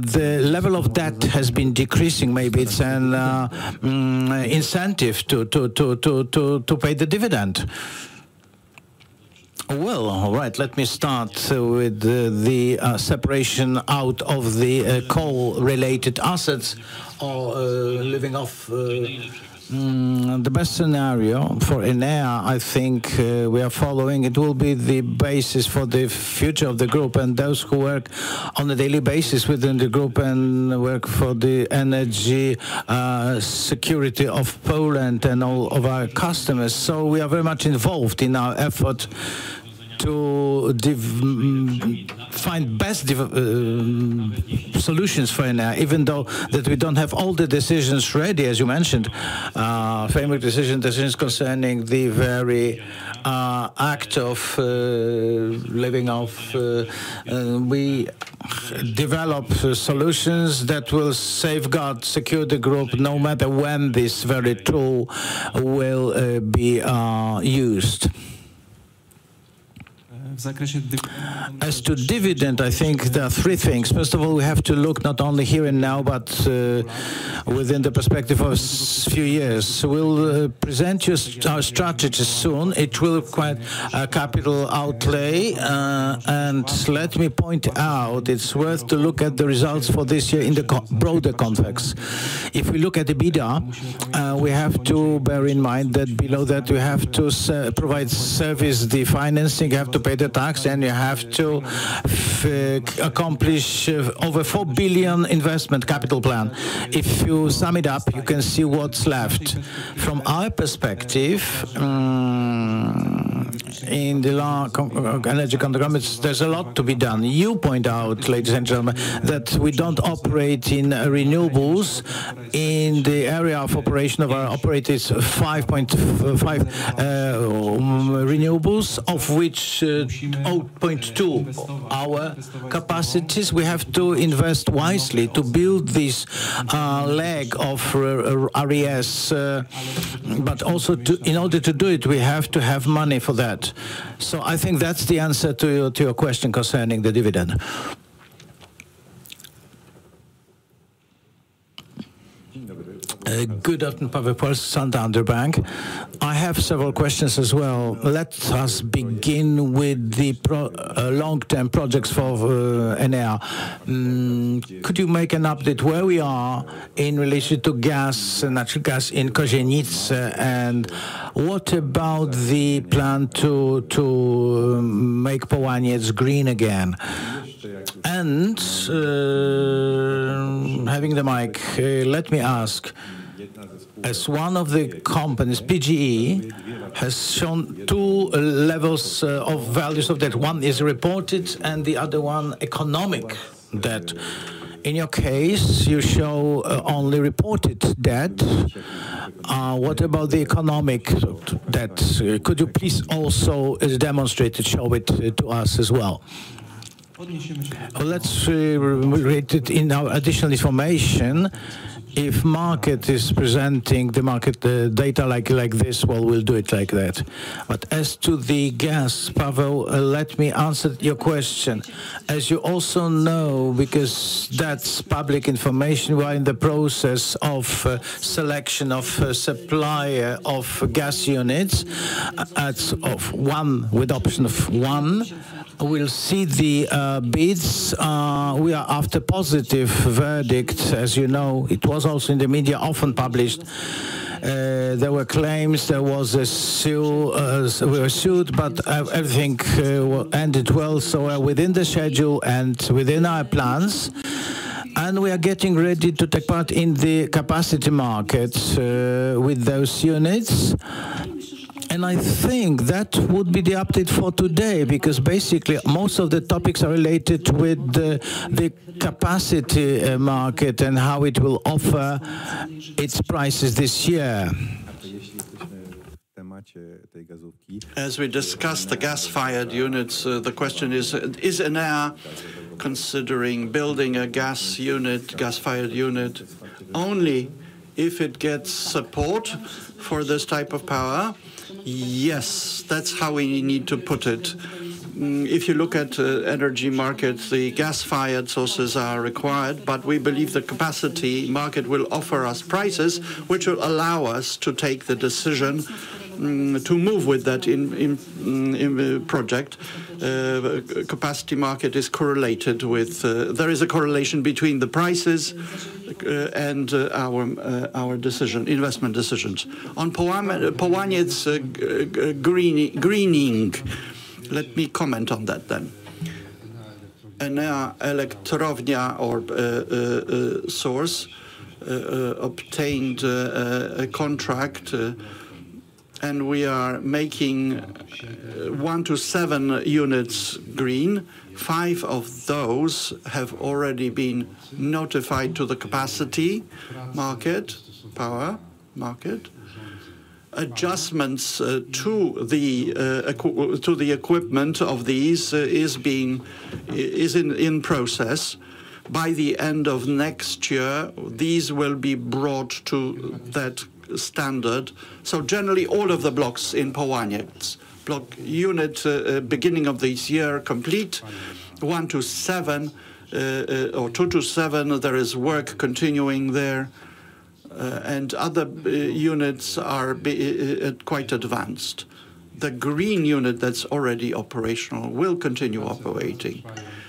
C: The level of debt has been decreasing. Maybe it's an incentive to pay the dividend.
B: Well, all right, let me start with the separation out of the coal-related assets or living off. The best scenario for Enea, I think, we are following, it will be the basis for the future of the group and those who work on a daily basis within the group, and work for the energy security of Poland and all of our customers. So we are very much involved in our effort to find best dev solutions for Enea, even though that we don't have all the decisions ready, as you mentioned. Framework decision, decisions concerning the very act of living off. We develop solutions that will safeguard, secure the group, no matter when this very tool will be used. As to dividend, I think there are three things. First of all, we have to look not only here and now, but within the perspective of few years. So we'll present you our strategy soon. It will require capital outlay. And let me point out, it's worth to look at the results for this year in the broader context. If we look at the EBITDA, we have to bear in mind that below that, we have to provide service, the financing, you have to pay the tax, and you have to accomplish over 4 billion investment capital plan. If you sum it up, you can see what's left. From our perspective, in the low-carbon energy accomplishments, there's a lot to be done. You point out, ladies and gentlemen, that we don't operate in renewables. In the area of operation of our operators, 5.5 renewables, of which 0.2 our capacities, we have to invest wisely to build this leg of RES, but also to... In order to do it, we have to have money for that. So I think that's the answer to your question concerning the dividend.
D: Good afternoon, Paweł Puchalski, Santander Bank Polska. I have several questions as well. Let us begin with the long-term projects for Enea. Could you make an update where we are in relation to gas, natural gas in Kozienice? And what about the plan to make Połaniec green again? And having the mic, let me ask, as one of the companies, PGE, has shown two levels of values of debt. One is reported, and the other one, economic debt. In your case, you show only reported debt. What about the economic debt? Could you please also, as demonstrated, show it to us as well?
B: Let's re-read it in our additional information. If market is presenting the market data like, like this, well, we'll do it like that. But as to the gas, Paweł, let me answer your question. As you also know, because that's public information, we're in the process of selection of a supplier of gas units a total of one, with option of one. We'll see the bids. We are after positive verdict. As you know, it was also in the media, often published. There were claims, there was a suit, we were sued, but everything ended well. So we're within the schedule and within our plans, and we are getting ready to take part in the Capacity Markets with those units. I think that would be the update for today, because basically, most of the topics are related with the Capacity Market and how it will offer its prices this year. As we discussed, the gas-fired units, the question is, is Enea considering building a gas unit, gas-fired unit, only if it gets support for this type of power? Yes, that's how we need to put it. If you look at energy markets, the gas-fired sources are required, but we believe the Capacity Market will offer us prices, which will allow us to take the decision to move with that in the project. Capacity market is correlated with... There is a correlation between the prices and our decision, investment decisions. On Połaniec, greening, let me comment on that then. Enea Elektrownia or source obtained a contract, and we are making one to seven units green. Five of those have already been notified to the Capacity Market, power market. Adjustments to the equipment of these is in process. By the end of next year, these will be brought to that standard. So generally, all of the blocks in Połaniec. Block unit beginning of this year, complete. One to seven or two to seven, there is work continuing there, and other units are quite advanced. The green unit that's already operational will continue operating.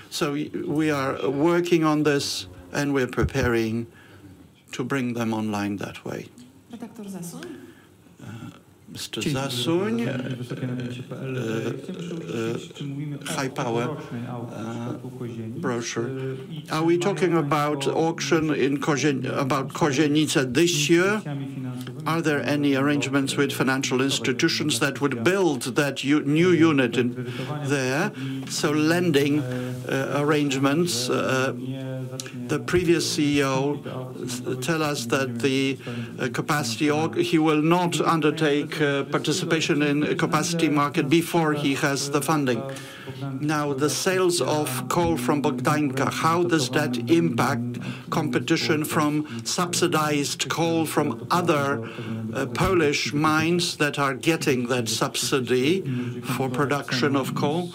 B: So we are working on this, and we're preparing to bring them online that way. Dr. Zasuń? Mr. Zasuń-- -high power brochure. Are we talking about auction in Kozienice this year? Are there any arrangements with financial institutions that would build that new unit in there? So lending arrangements, the previous CEO tell us that the capacity auction he will not undertake participation in a Capacity Market before he has the funding. Now, the sales of coal from Bogdanka, how does that impact competition from subsidized coal from other Polish mines that are getting that subsidy for production of coal?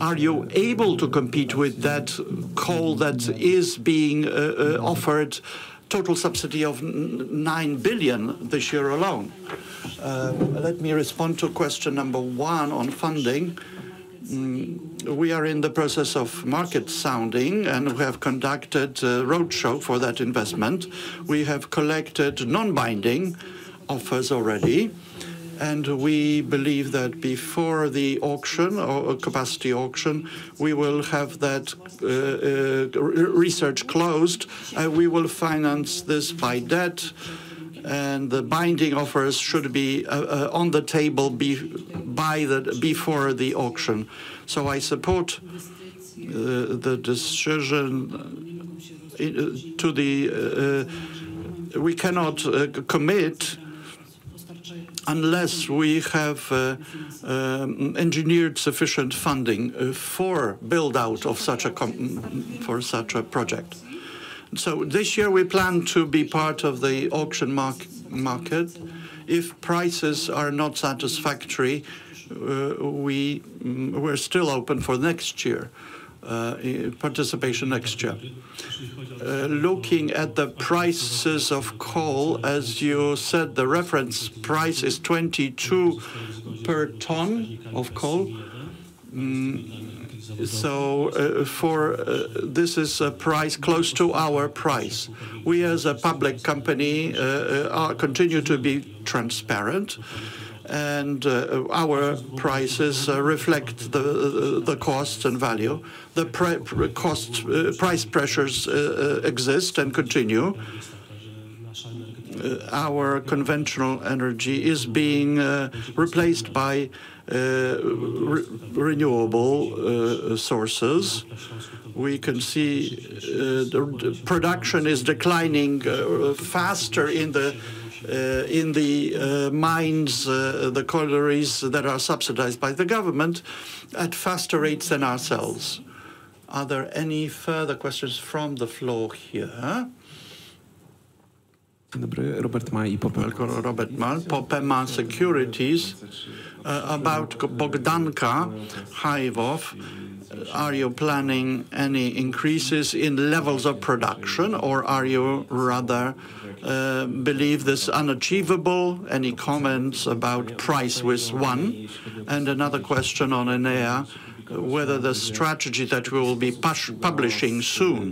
B: Are you able to compete with that coal that is being offered total subsidy of 9 billion this year alone? Let me respond to question number one on funding. We are in the process of market sounding, and we have conducted a roadshow for that investment. We have collected non-binding offers already, and we believe that before the auction or capacity auction, we will have that research closed. We will finance this by debt, and the binding offers should be on the table by before the auction. So I support the decision we cannot commit unless we have engineered sufficient funding for build out of such a project. So this year we plan to be part of the auction market. If prices are not satisfactory, we're still open for next year participation next year. Looking at the prices of coal, as you said, the reference price is 22 per ton of coal. This is a price close to our price. We, as a public company, continue to be transparent, and our prices reflect the cost and value. Price pressures exist and continue. Our conventional energy is being replaced by renewable sources. We can see the production is declining faster in the mines, the collieries that are subsidized by the government at faster rates than ourselves. Are there any further questions from the floor here?
E: Robert Maj, Ipopema Securities. About Bogdanka hive off, are you planning any increases in levels of production, or are you rather believe this unachievable? Any comments about price with one? And another question on Enea, whether the strategy that we will be publishing soon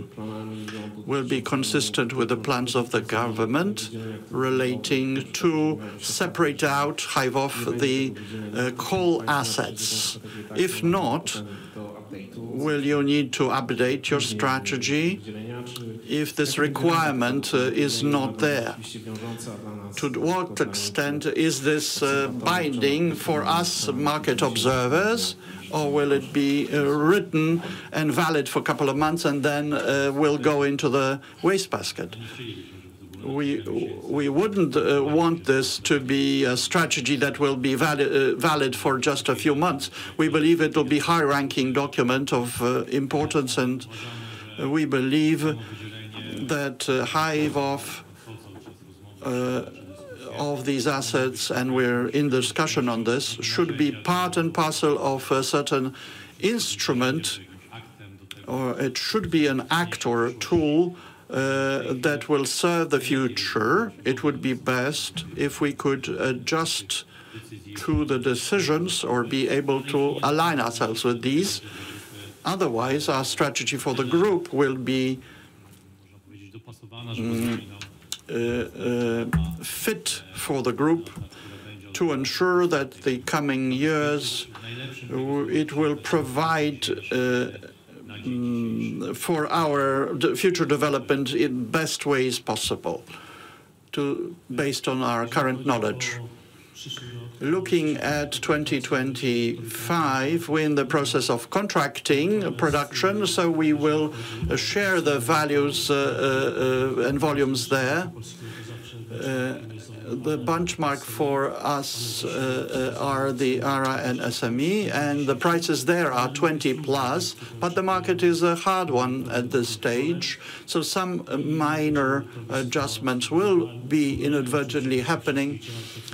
E: will be consistent with the plans of the government relating to separate out, hive off the coal assets. If not, will you need to update your strategy if this requirement is not there? To what extent is this binding for us market observers, or will it be written and valid for a couple of months and then will go into the wastebasket?
B: We wouldn't want this to be a strategy that will be valid for just a few months. We believe it will be high-ranking document of importance, and we believe that hive off of these assets, and we're in discussion on this, should be part and parcel of a certain instrument, or it should be an act or a tool that will serve the future. It would be best if we could adjust to the decisions or be able to align ourselves with these. Otherwise, our strategy for the group will be fit for the group to ensure that the coming years, it will provide for our future development in best ways possible to... Based on our current knowledge. Looking at twenty twenty-five, we're in the process of contracting production, so we will share the values and volumes there. The benchmark for us are the ARA and SME, and the prices there are twenty plus, but the market is a hard one at this stage. So some minor adjustments will be inadvertently happening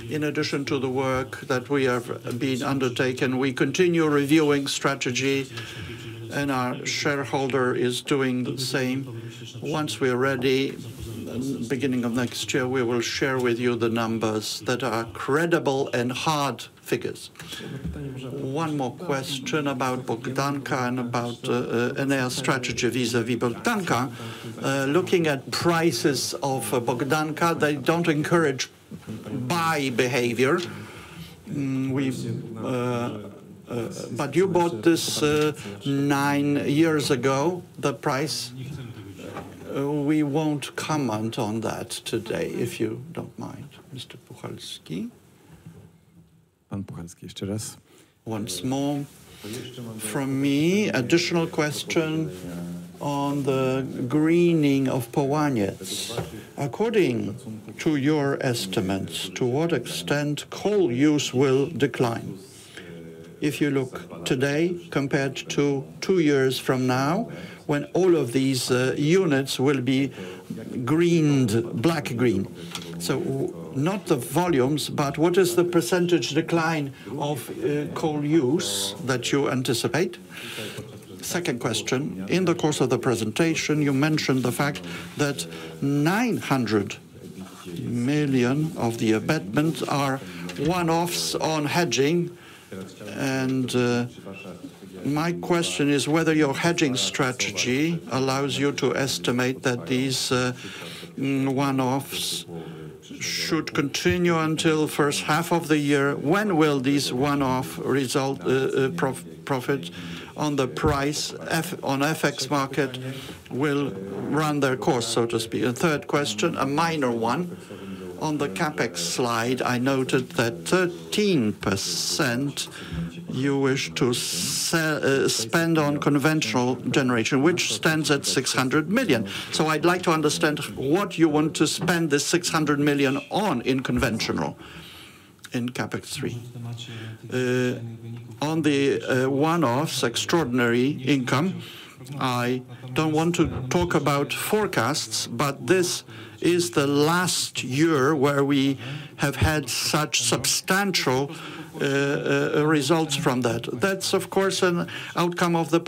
B: in addition to the work that we have been undertaking. We continue reviewing strategy, and our shareholder is doing the same. Once we are ready, beginning of next year, we will share with you the numbers that are credible and hard figures. One more question about Bogdanka and about Enea strategy vis-a-vis Bogdanka. Looking at prices of Bogdanka, they don't encourage buy behavior. But you bought this nine years ago, the price? We won't comment on that today, if you don't mind. Mr. Puchalski. Puchalski, once more from me, additional question on the greening of Połaniec.
D: According to your estimates, to what extent coal use will decline? If you look today compared to two years from now, when all of these units will be greened, black-to-green. So not the volumes, but what is the percentage decline of coal use that you anticipate? Second question, in the course of the presentation, you mentioned the fact that 900 million of the EBITDA are one-offs on hedging. And my question is whether your hedging strategy allows you to estimate that these one-offs should continue until first half of the year. When will these one-off profit on the FX market run their course, so to speak? And third question, a minor one. On the CapEx slide, I noted that 13% you wish to spend on conventional generation, which stands at 600 million. So I'd like to understand what you want to spend the 600 million on in conventional, in CapEx three.
B: On the one-offs extraordinary income, I don't want to talk about forecasts, but this is the last year where we have had such substantial results from that. That's, of course, an outcome of the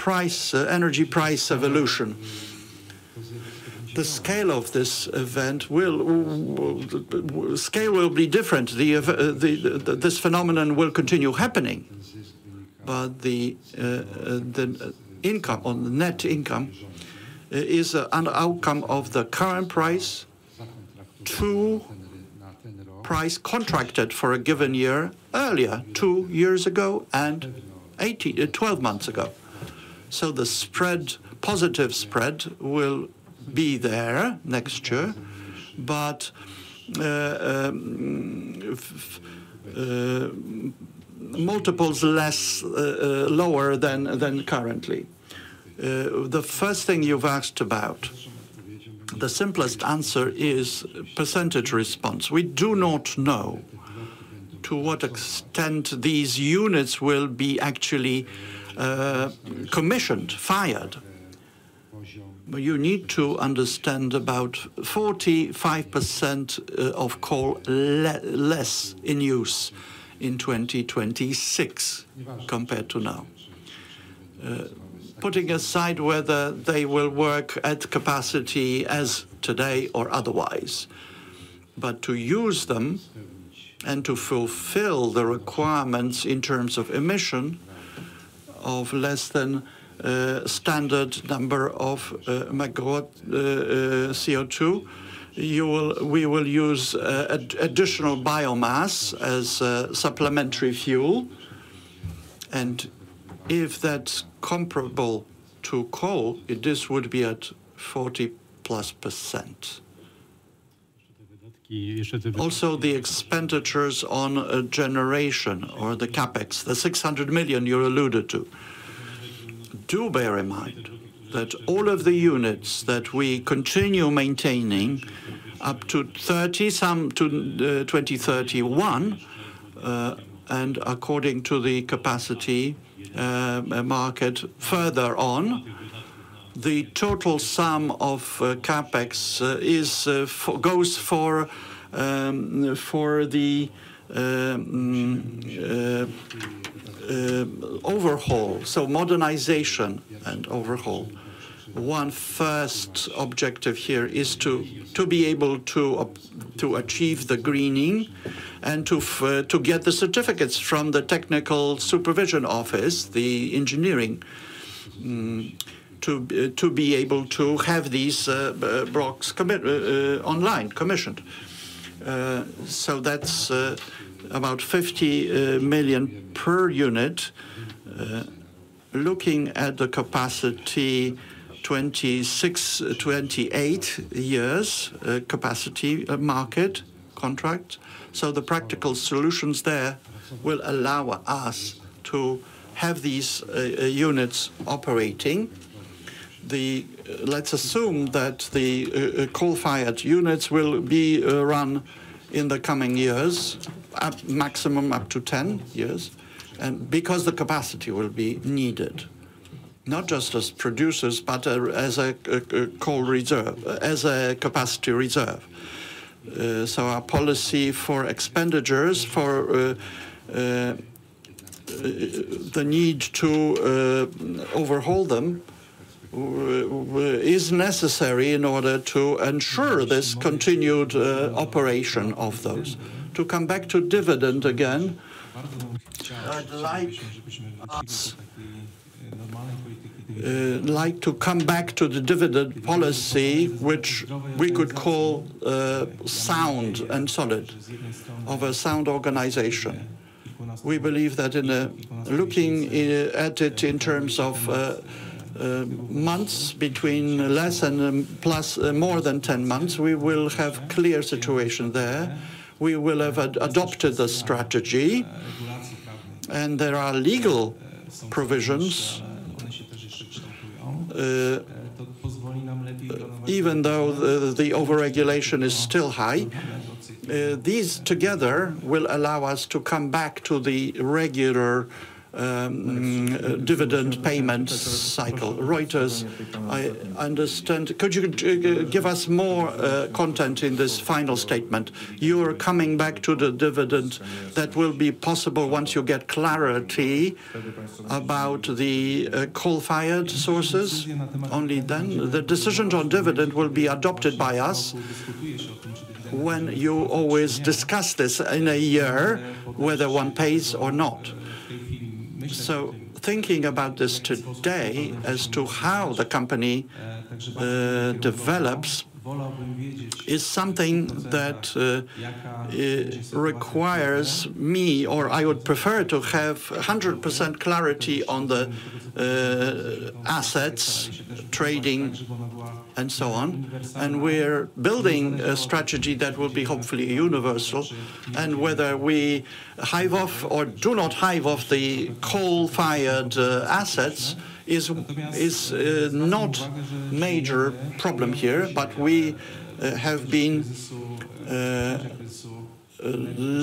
B: energy price evolution. The scale of this event will be different. This phenomenon will continue happening, but the income or the net income is an outcome of the current price to price contracted for a given year earlier, two years ago and twelve months ago. So the spread, positive spread, will be there next year, but multiples less, lower than currently. The first thing you've asked about, the simplest answer is percentage reduction. We do not know to what extent these units will be actually commissioned, fired. You need to understand about 45% of coal less in use in 2026 compared to now. Putting aside whether they will work at capacity as today or otherwise. But to use them and to fulfill the requirements in terms of emission of less than standard number of megawatt CO2, we will use additional biomass as a supplementary fuel, and if that's comparable to coal, it just would be at 40+%. Also, the expenditures on a generation or the CapEx, the 600 million you alluded to. Do bear in mind that all of the units that we continue maintaining up to 2030, some to 2031, and according to the Capacity Market further on, the total sum of CapEx goes for the overhaul, so modernization and overhaul. One first objective here is to be able to achieve the greening and to get the certificates from the Technical Supervision Office, the engineering, to be able to have these blocks committed online, commissioned. So that's about 50 million per unit. Looking at the 2026-2028 Capacity Market contract. So the practical solutions there will allow us to have these units operating. The... Let's assume that the coal-fired units will be run in the coming years, at maximum up to 10 years, and because the capacity will be needed, not just as producers, but as a coal reserve, as a capacity reserve, so our policy for expenditures, for the need to overhaul them, is necessary in order to ensure this continued operation of those. To come back to dividend again, I'd like us like to come back to the dividend policy, which we could call sound and solid, of a sound organization. We believe that in looking at it in terms of months, between less and plus more than 10 months, we will have clear situation there. We will have adopted the strategy, and there are legal provisions, even though the overregulation is still high. These together will allow us to come back to the regular dividend payment cycle. Reuters, I understand. Could you give us more content in this final statement? You are coming back to the dividend that will be possible once you get clarity about the coal-fired sources, only then? The decisions on dividend will be adopted by us when you always discuss this in a year, whether one pays or not. So, thinking about this today as to how the company develops, is something that requires me, or I would prefer to have 100% clarity on the assets, trading, and so on. We're building a strategy that will be hopefully universal, and whether we hive off or do not hive off the coal-fired assets is not major problem here. But we have been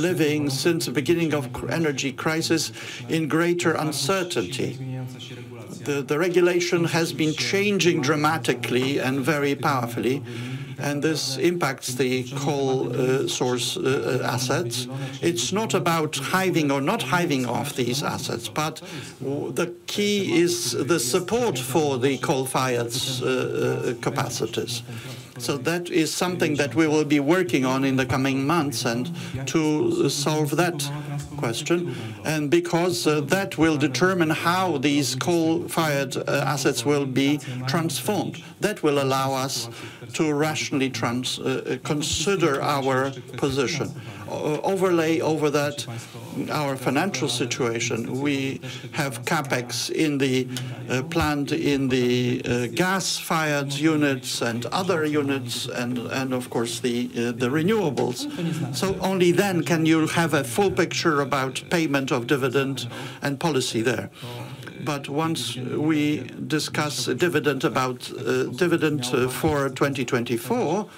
B: living since the beginning of energy crisis in greater uncertainty. The regulation has been changing dramatically and very powerfully, and this impacts the coal source assets. It's not about hiving or not hiving off these assets, but the key is the support for the coal-fired capacities. So that is something that we will be working on in the coming months, and to solve that question, and because that will determine how these coal-fired assets will be transformed. That will allow us to rationally consider our position. Overlay over that, our financial situation, we have CapEx in the plant, in the gas-fired units and other units, and of course, the renewables, so only then can you have a full picture about payment of dividend and policy there, but once we discuss a dividend about dividend for twenty twenty-four,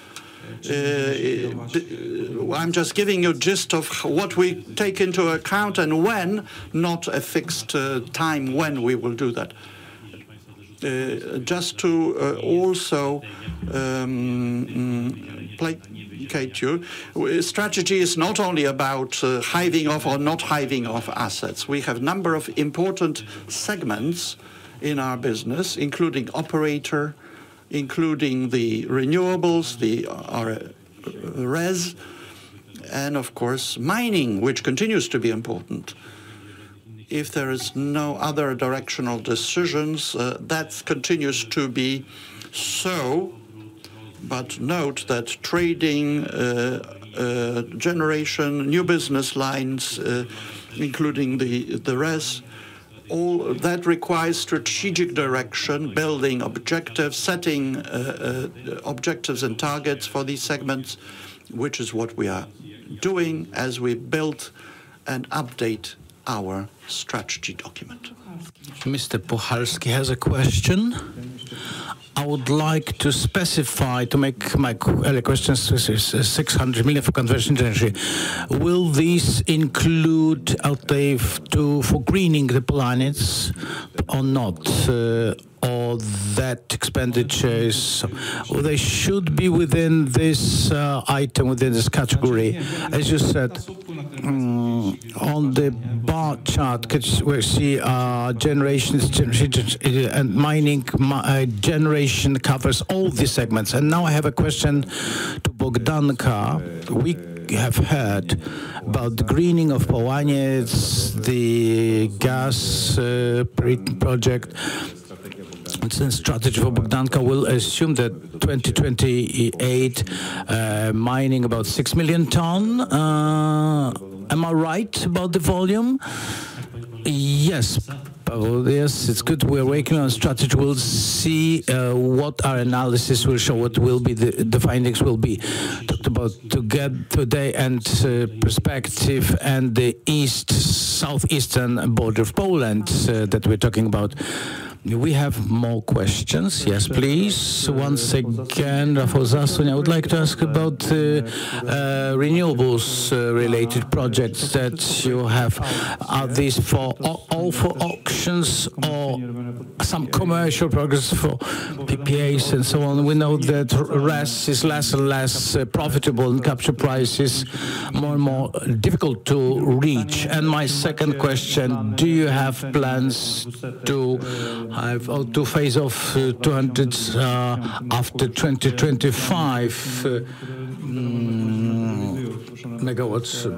B: I'm just giving you a gist of what we take into account and when, not a fixed time when we will do that. Just to also placate you, strategy is not only about hiving off or not hiving off assets. We have number of important segments in our business, including operator, including the renewables, the RES, and of course, mining, which continues to be important. If there is no other directional decisions, that continues to be so. But note that trading, generation, new business lines, including the RES, all that requires strategic direction, building objectives, setting objectives and targets for these segments, which is what we are doing as we build and update our strategy document. Mr. Puchalski has a question.
D: I would like to specify to make my earlier question, this is 600 million for conversion energy. Will this include outlays for greening the plants or not? Or that expenditure is. Well, they should be within this item, within this category. As you said, on the bar chart, which we see, generation and mining, generation covers all these segments. And now I have a question to Bogdanka. We have heard about the greening of Połaniec, the gas project. Strategy for Bogdanka will assume that 2028, mining about 6 million tons. Am I right about the volume?
B: Yes, Paweł, yes, it's good. We're working on strategy. We'll see what our analysis will show, what the findings will be. Talked about together today and perspective and the east, southeastern border of Poland that we're talking about. Do we have more questions? Yes, please. Once again, Rafał Zasuń, I would like to ask about the renewables related projects that you have. Are these for all for auctions or some commercial projects for PPAs and so on? We know that RES is less and less profitable, and capture price is more and more difficult to reach. And my second question, do you have plans to phase out 200 after 2025 megawatts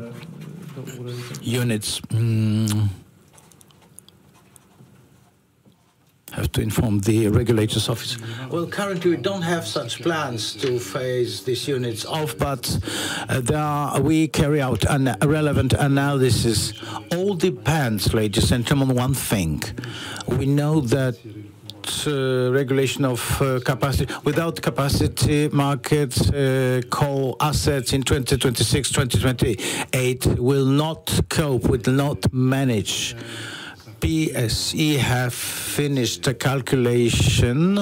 B: units? Mm, I have to inform the regulator's office. Currently, we don't have such plans to phase these units off, but we carry out a relevant analysis. All depends, ladies and gentlemen, on one thing. We know that regulation of capacity without Capacity Markets, coal assets in 2026, 2028 will not cope, will not manage. PSE have finished a calculation.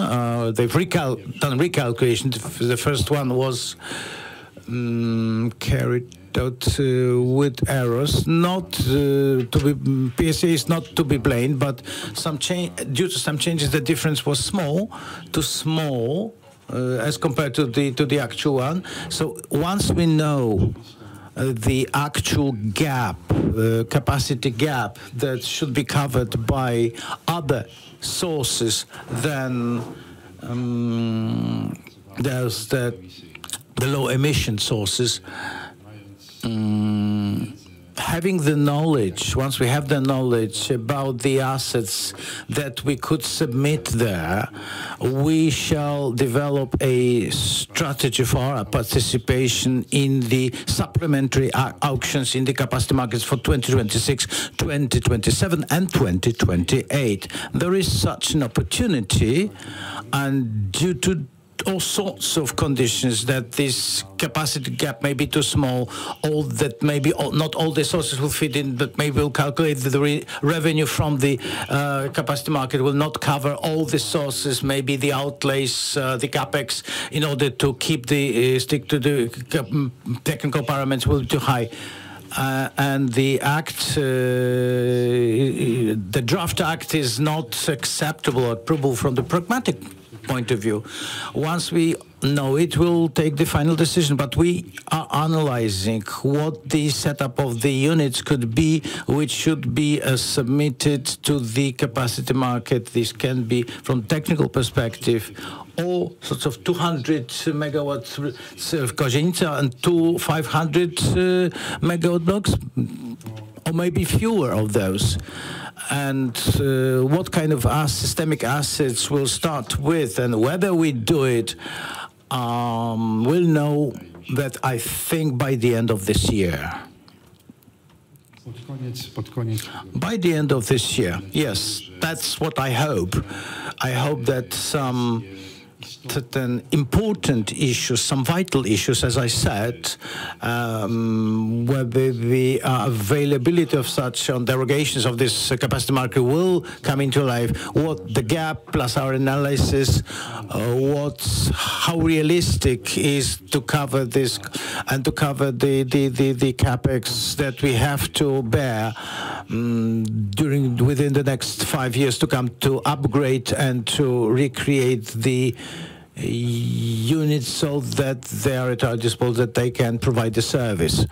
B: They've done recalculation. The first one was carried out with errors. PSE is not to be blamed, but due to some changes, the difference was small, too small, as compared to the actual one. So once we know the actual gap, the capacity gap that should be covered by other sources, then there's the low emission sources-... having the knowledge, once we have the knowledge about the assets that we could submit there, we shall develop a strategy for our participation in the supplementary auctions in the Capacity Markets for 2026, 2027, and 2028. There is such an opportunity, and due to all sorts of conditions, that this capacity gap may be too small, or that maybe not all the sources will fit in, but maybe we'll calculate the revenue from the Capacity Marketket will not cover all the sources, maybe the outlays, the CapEx, in order to stick to the capacity technical parameters will be too high. The draft act is not acceptable approval from the pragmatic point of view. Once we know, it will take the final decision, but we are analyzing what the setup of the units could be, which should be submitted to the Capacity Market. This can be from technical perspective, all sorts of 200 megawatts of Kozienice, and two 500-megawatt blocks, or maybe fewer of those. And what kind of systemic assets we'll start with, and whether we do it, we'll know that, I think, by the end of this year. By the end of this year. Yes, that's what I hope. I hope that some certain important issues, some vital issues, as I said, whether the availability of such on derogations of this Capacity Market will come into life. What's the gap, plus our analysis, what's how realistic is to cover this, and to cover the CapEx that we have to bear, during within the next five years to come, to upgrade and to recreate the units so that they are at our disposal, that they can provide the service.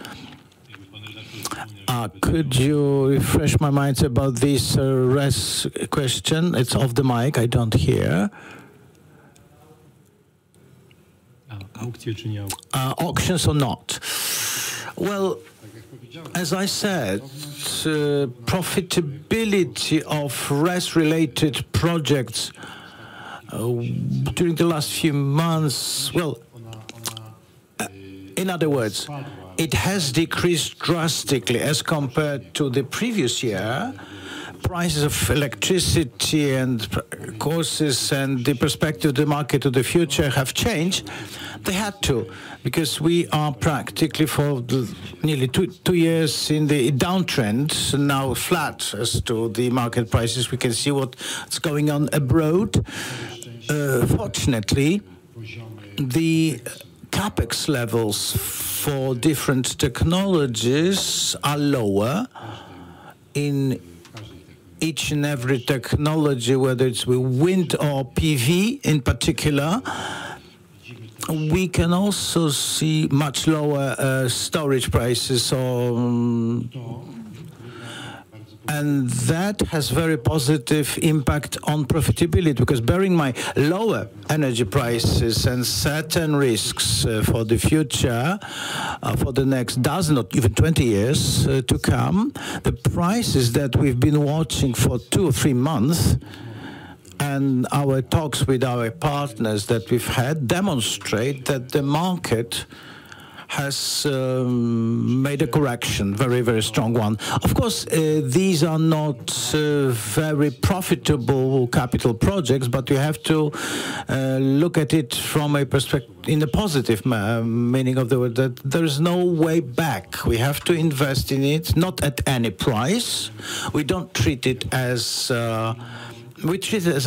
B: Could you refresh my mind about this RES question? It's off the mic, I don't hear. Auctions or not? As I said, profitability of RES-related projects during the last few months. In other words, it has decreased drastically as compared to the previous year. Prices of electricity and costs, and the perspective, the market of the future have changed. They had to, because we are practically for the nearly two years in the downtrend, now flat as to the market prices. We can see what is going on abroad. Fortunately, the CapEx levels for different technologies are lower. In each and every technology, whether it's with wind or PV in particular, we can also see much lower storage prices. So, and that has very positive impact on profitability, because bearing in mind lower energy prices and certain risks for the future, for the next dozen or even twenty years to come, the prices that we've been watching for two or three months, and our talks with our partners that we've had, demonstrate that the market has made a correction, very, very strong one. Of course, these are not very profitable capital projects, but you have to look at it from a perspective in a positive manner, meaning of the word, that there is no way back. We have to invest in it, not at any price. We don't treat it as. We treat it as a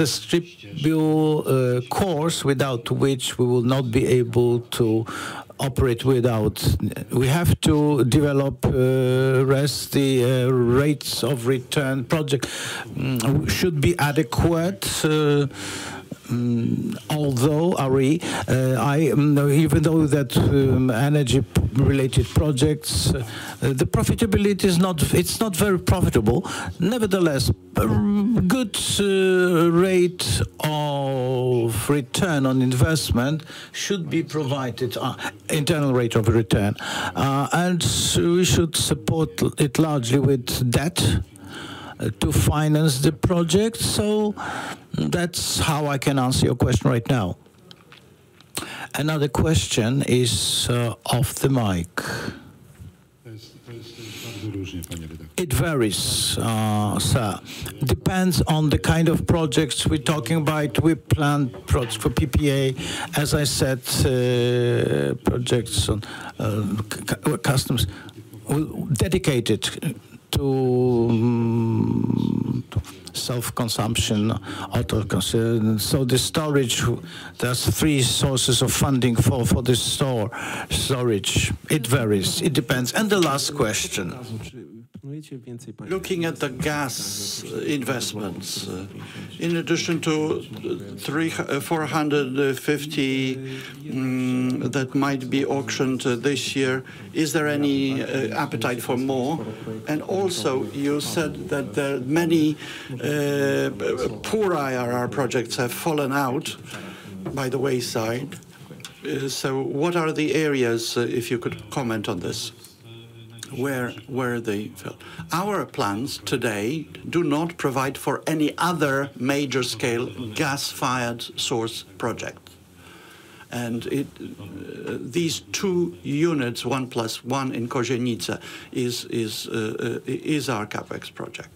B: strip bill of course, without which we will not be able to operate without... We have to develop RES. The rates of return project should be adequate, even though that energy-related projects, the profitability is not. It's not very profitable. Nevertheless, a good rate of return on investment should be provided, internal rate of return, and so we should support it largely with debt to finance the project. So, that's how I can answer your question right now. Another question is off the mic. It varies, sir. Depends on the kind of projects we're talking about. We plan projects for PPA, as I said, projects on customers dedicated to self-consumption, autocons. So the storage, there's three sources of funding for the storage. It varies. It depends. And the last question. Looking at the gas investments, in addition to 350 that might be auctioned this year, is there any appetite for more? And also, you said that there are many poor IRR projects have fallen out.... by the wayside. So what are the areas, if you could comment on this? Where they fell? Our plans today do not provide for any other major scale gas-fired source project, and it, these two units, one plus one in Kozienice, is our CapEx project.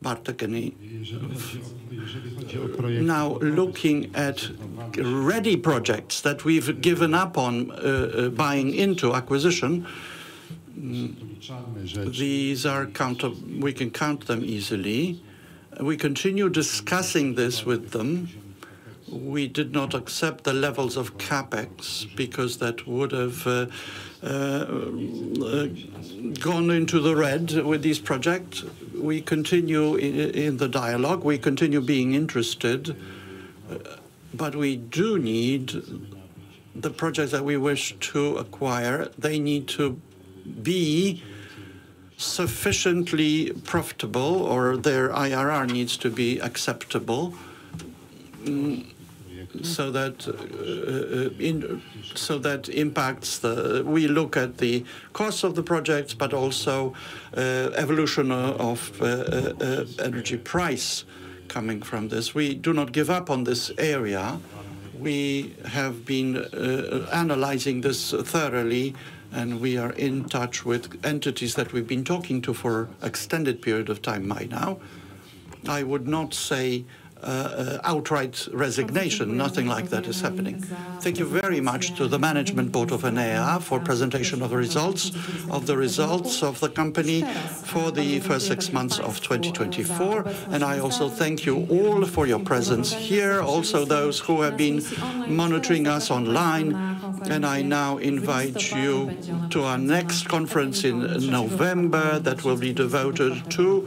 B: Bartek, any- Now, looking at ready projects that we've given up on, buying into acquisition, these are count of-- we can count them easily. We continue discussing this with them. We did not accept the levels of CapEx because that would've gone into the red with this project. We continue in the dialogue. We continue being interested, but we do need the projects that we wish to acquire. They need to be sufficiently profitable, or their IRR needs to be acceptable, so that impacts the... We look at the cost of the projects, but also evolution of energy price coming from this. We do not give up on this area. We have been analyzing this thoroughly, and we are in touch with entities that we've been talking to for extended period of time by now. I would not say outright resignation. Nothing like that is happening. Thank you very much to the Management Board of Enea for presentation of the results, of the results of the company for the first six months of twenty twenty-four, and I also thank you all for your presence here, also those who have been monitoring us online.
A: I now invite you to our next conference in November, that will be devoted to-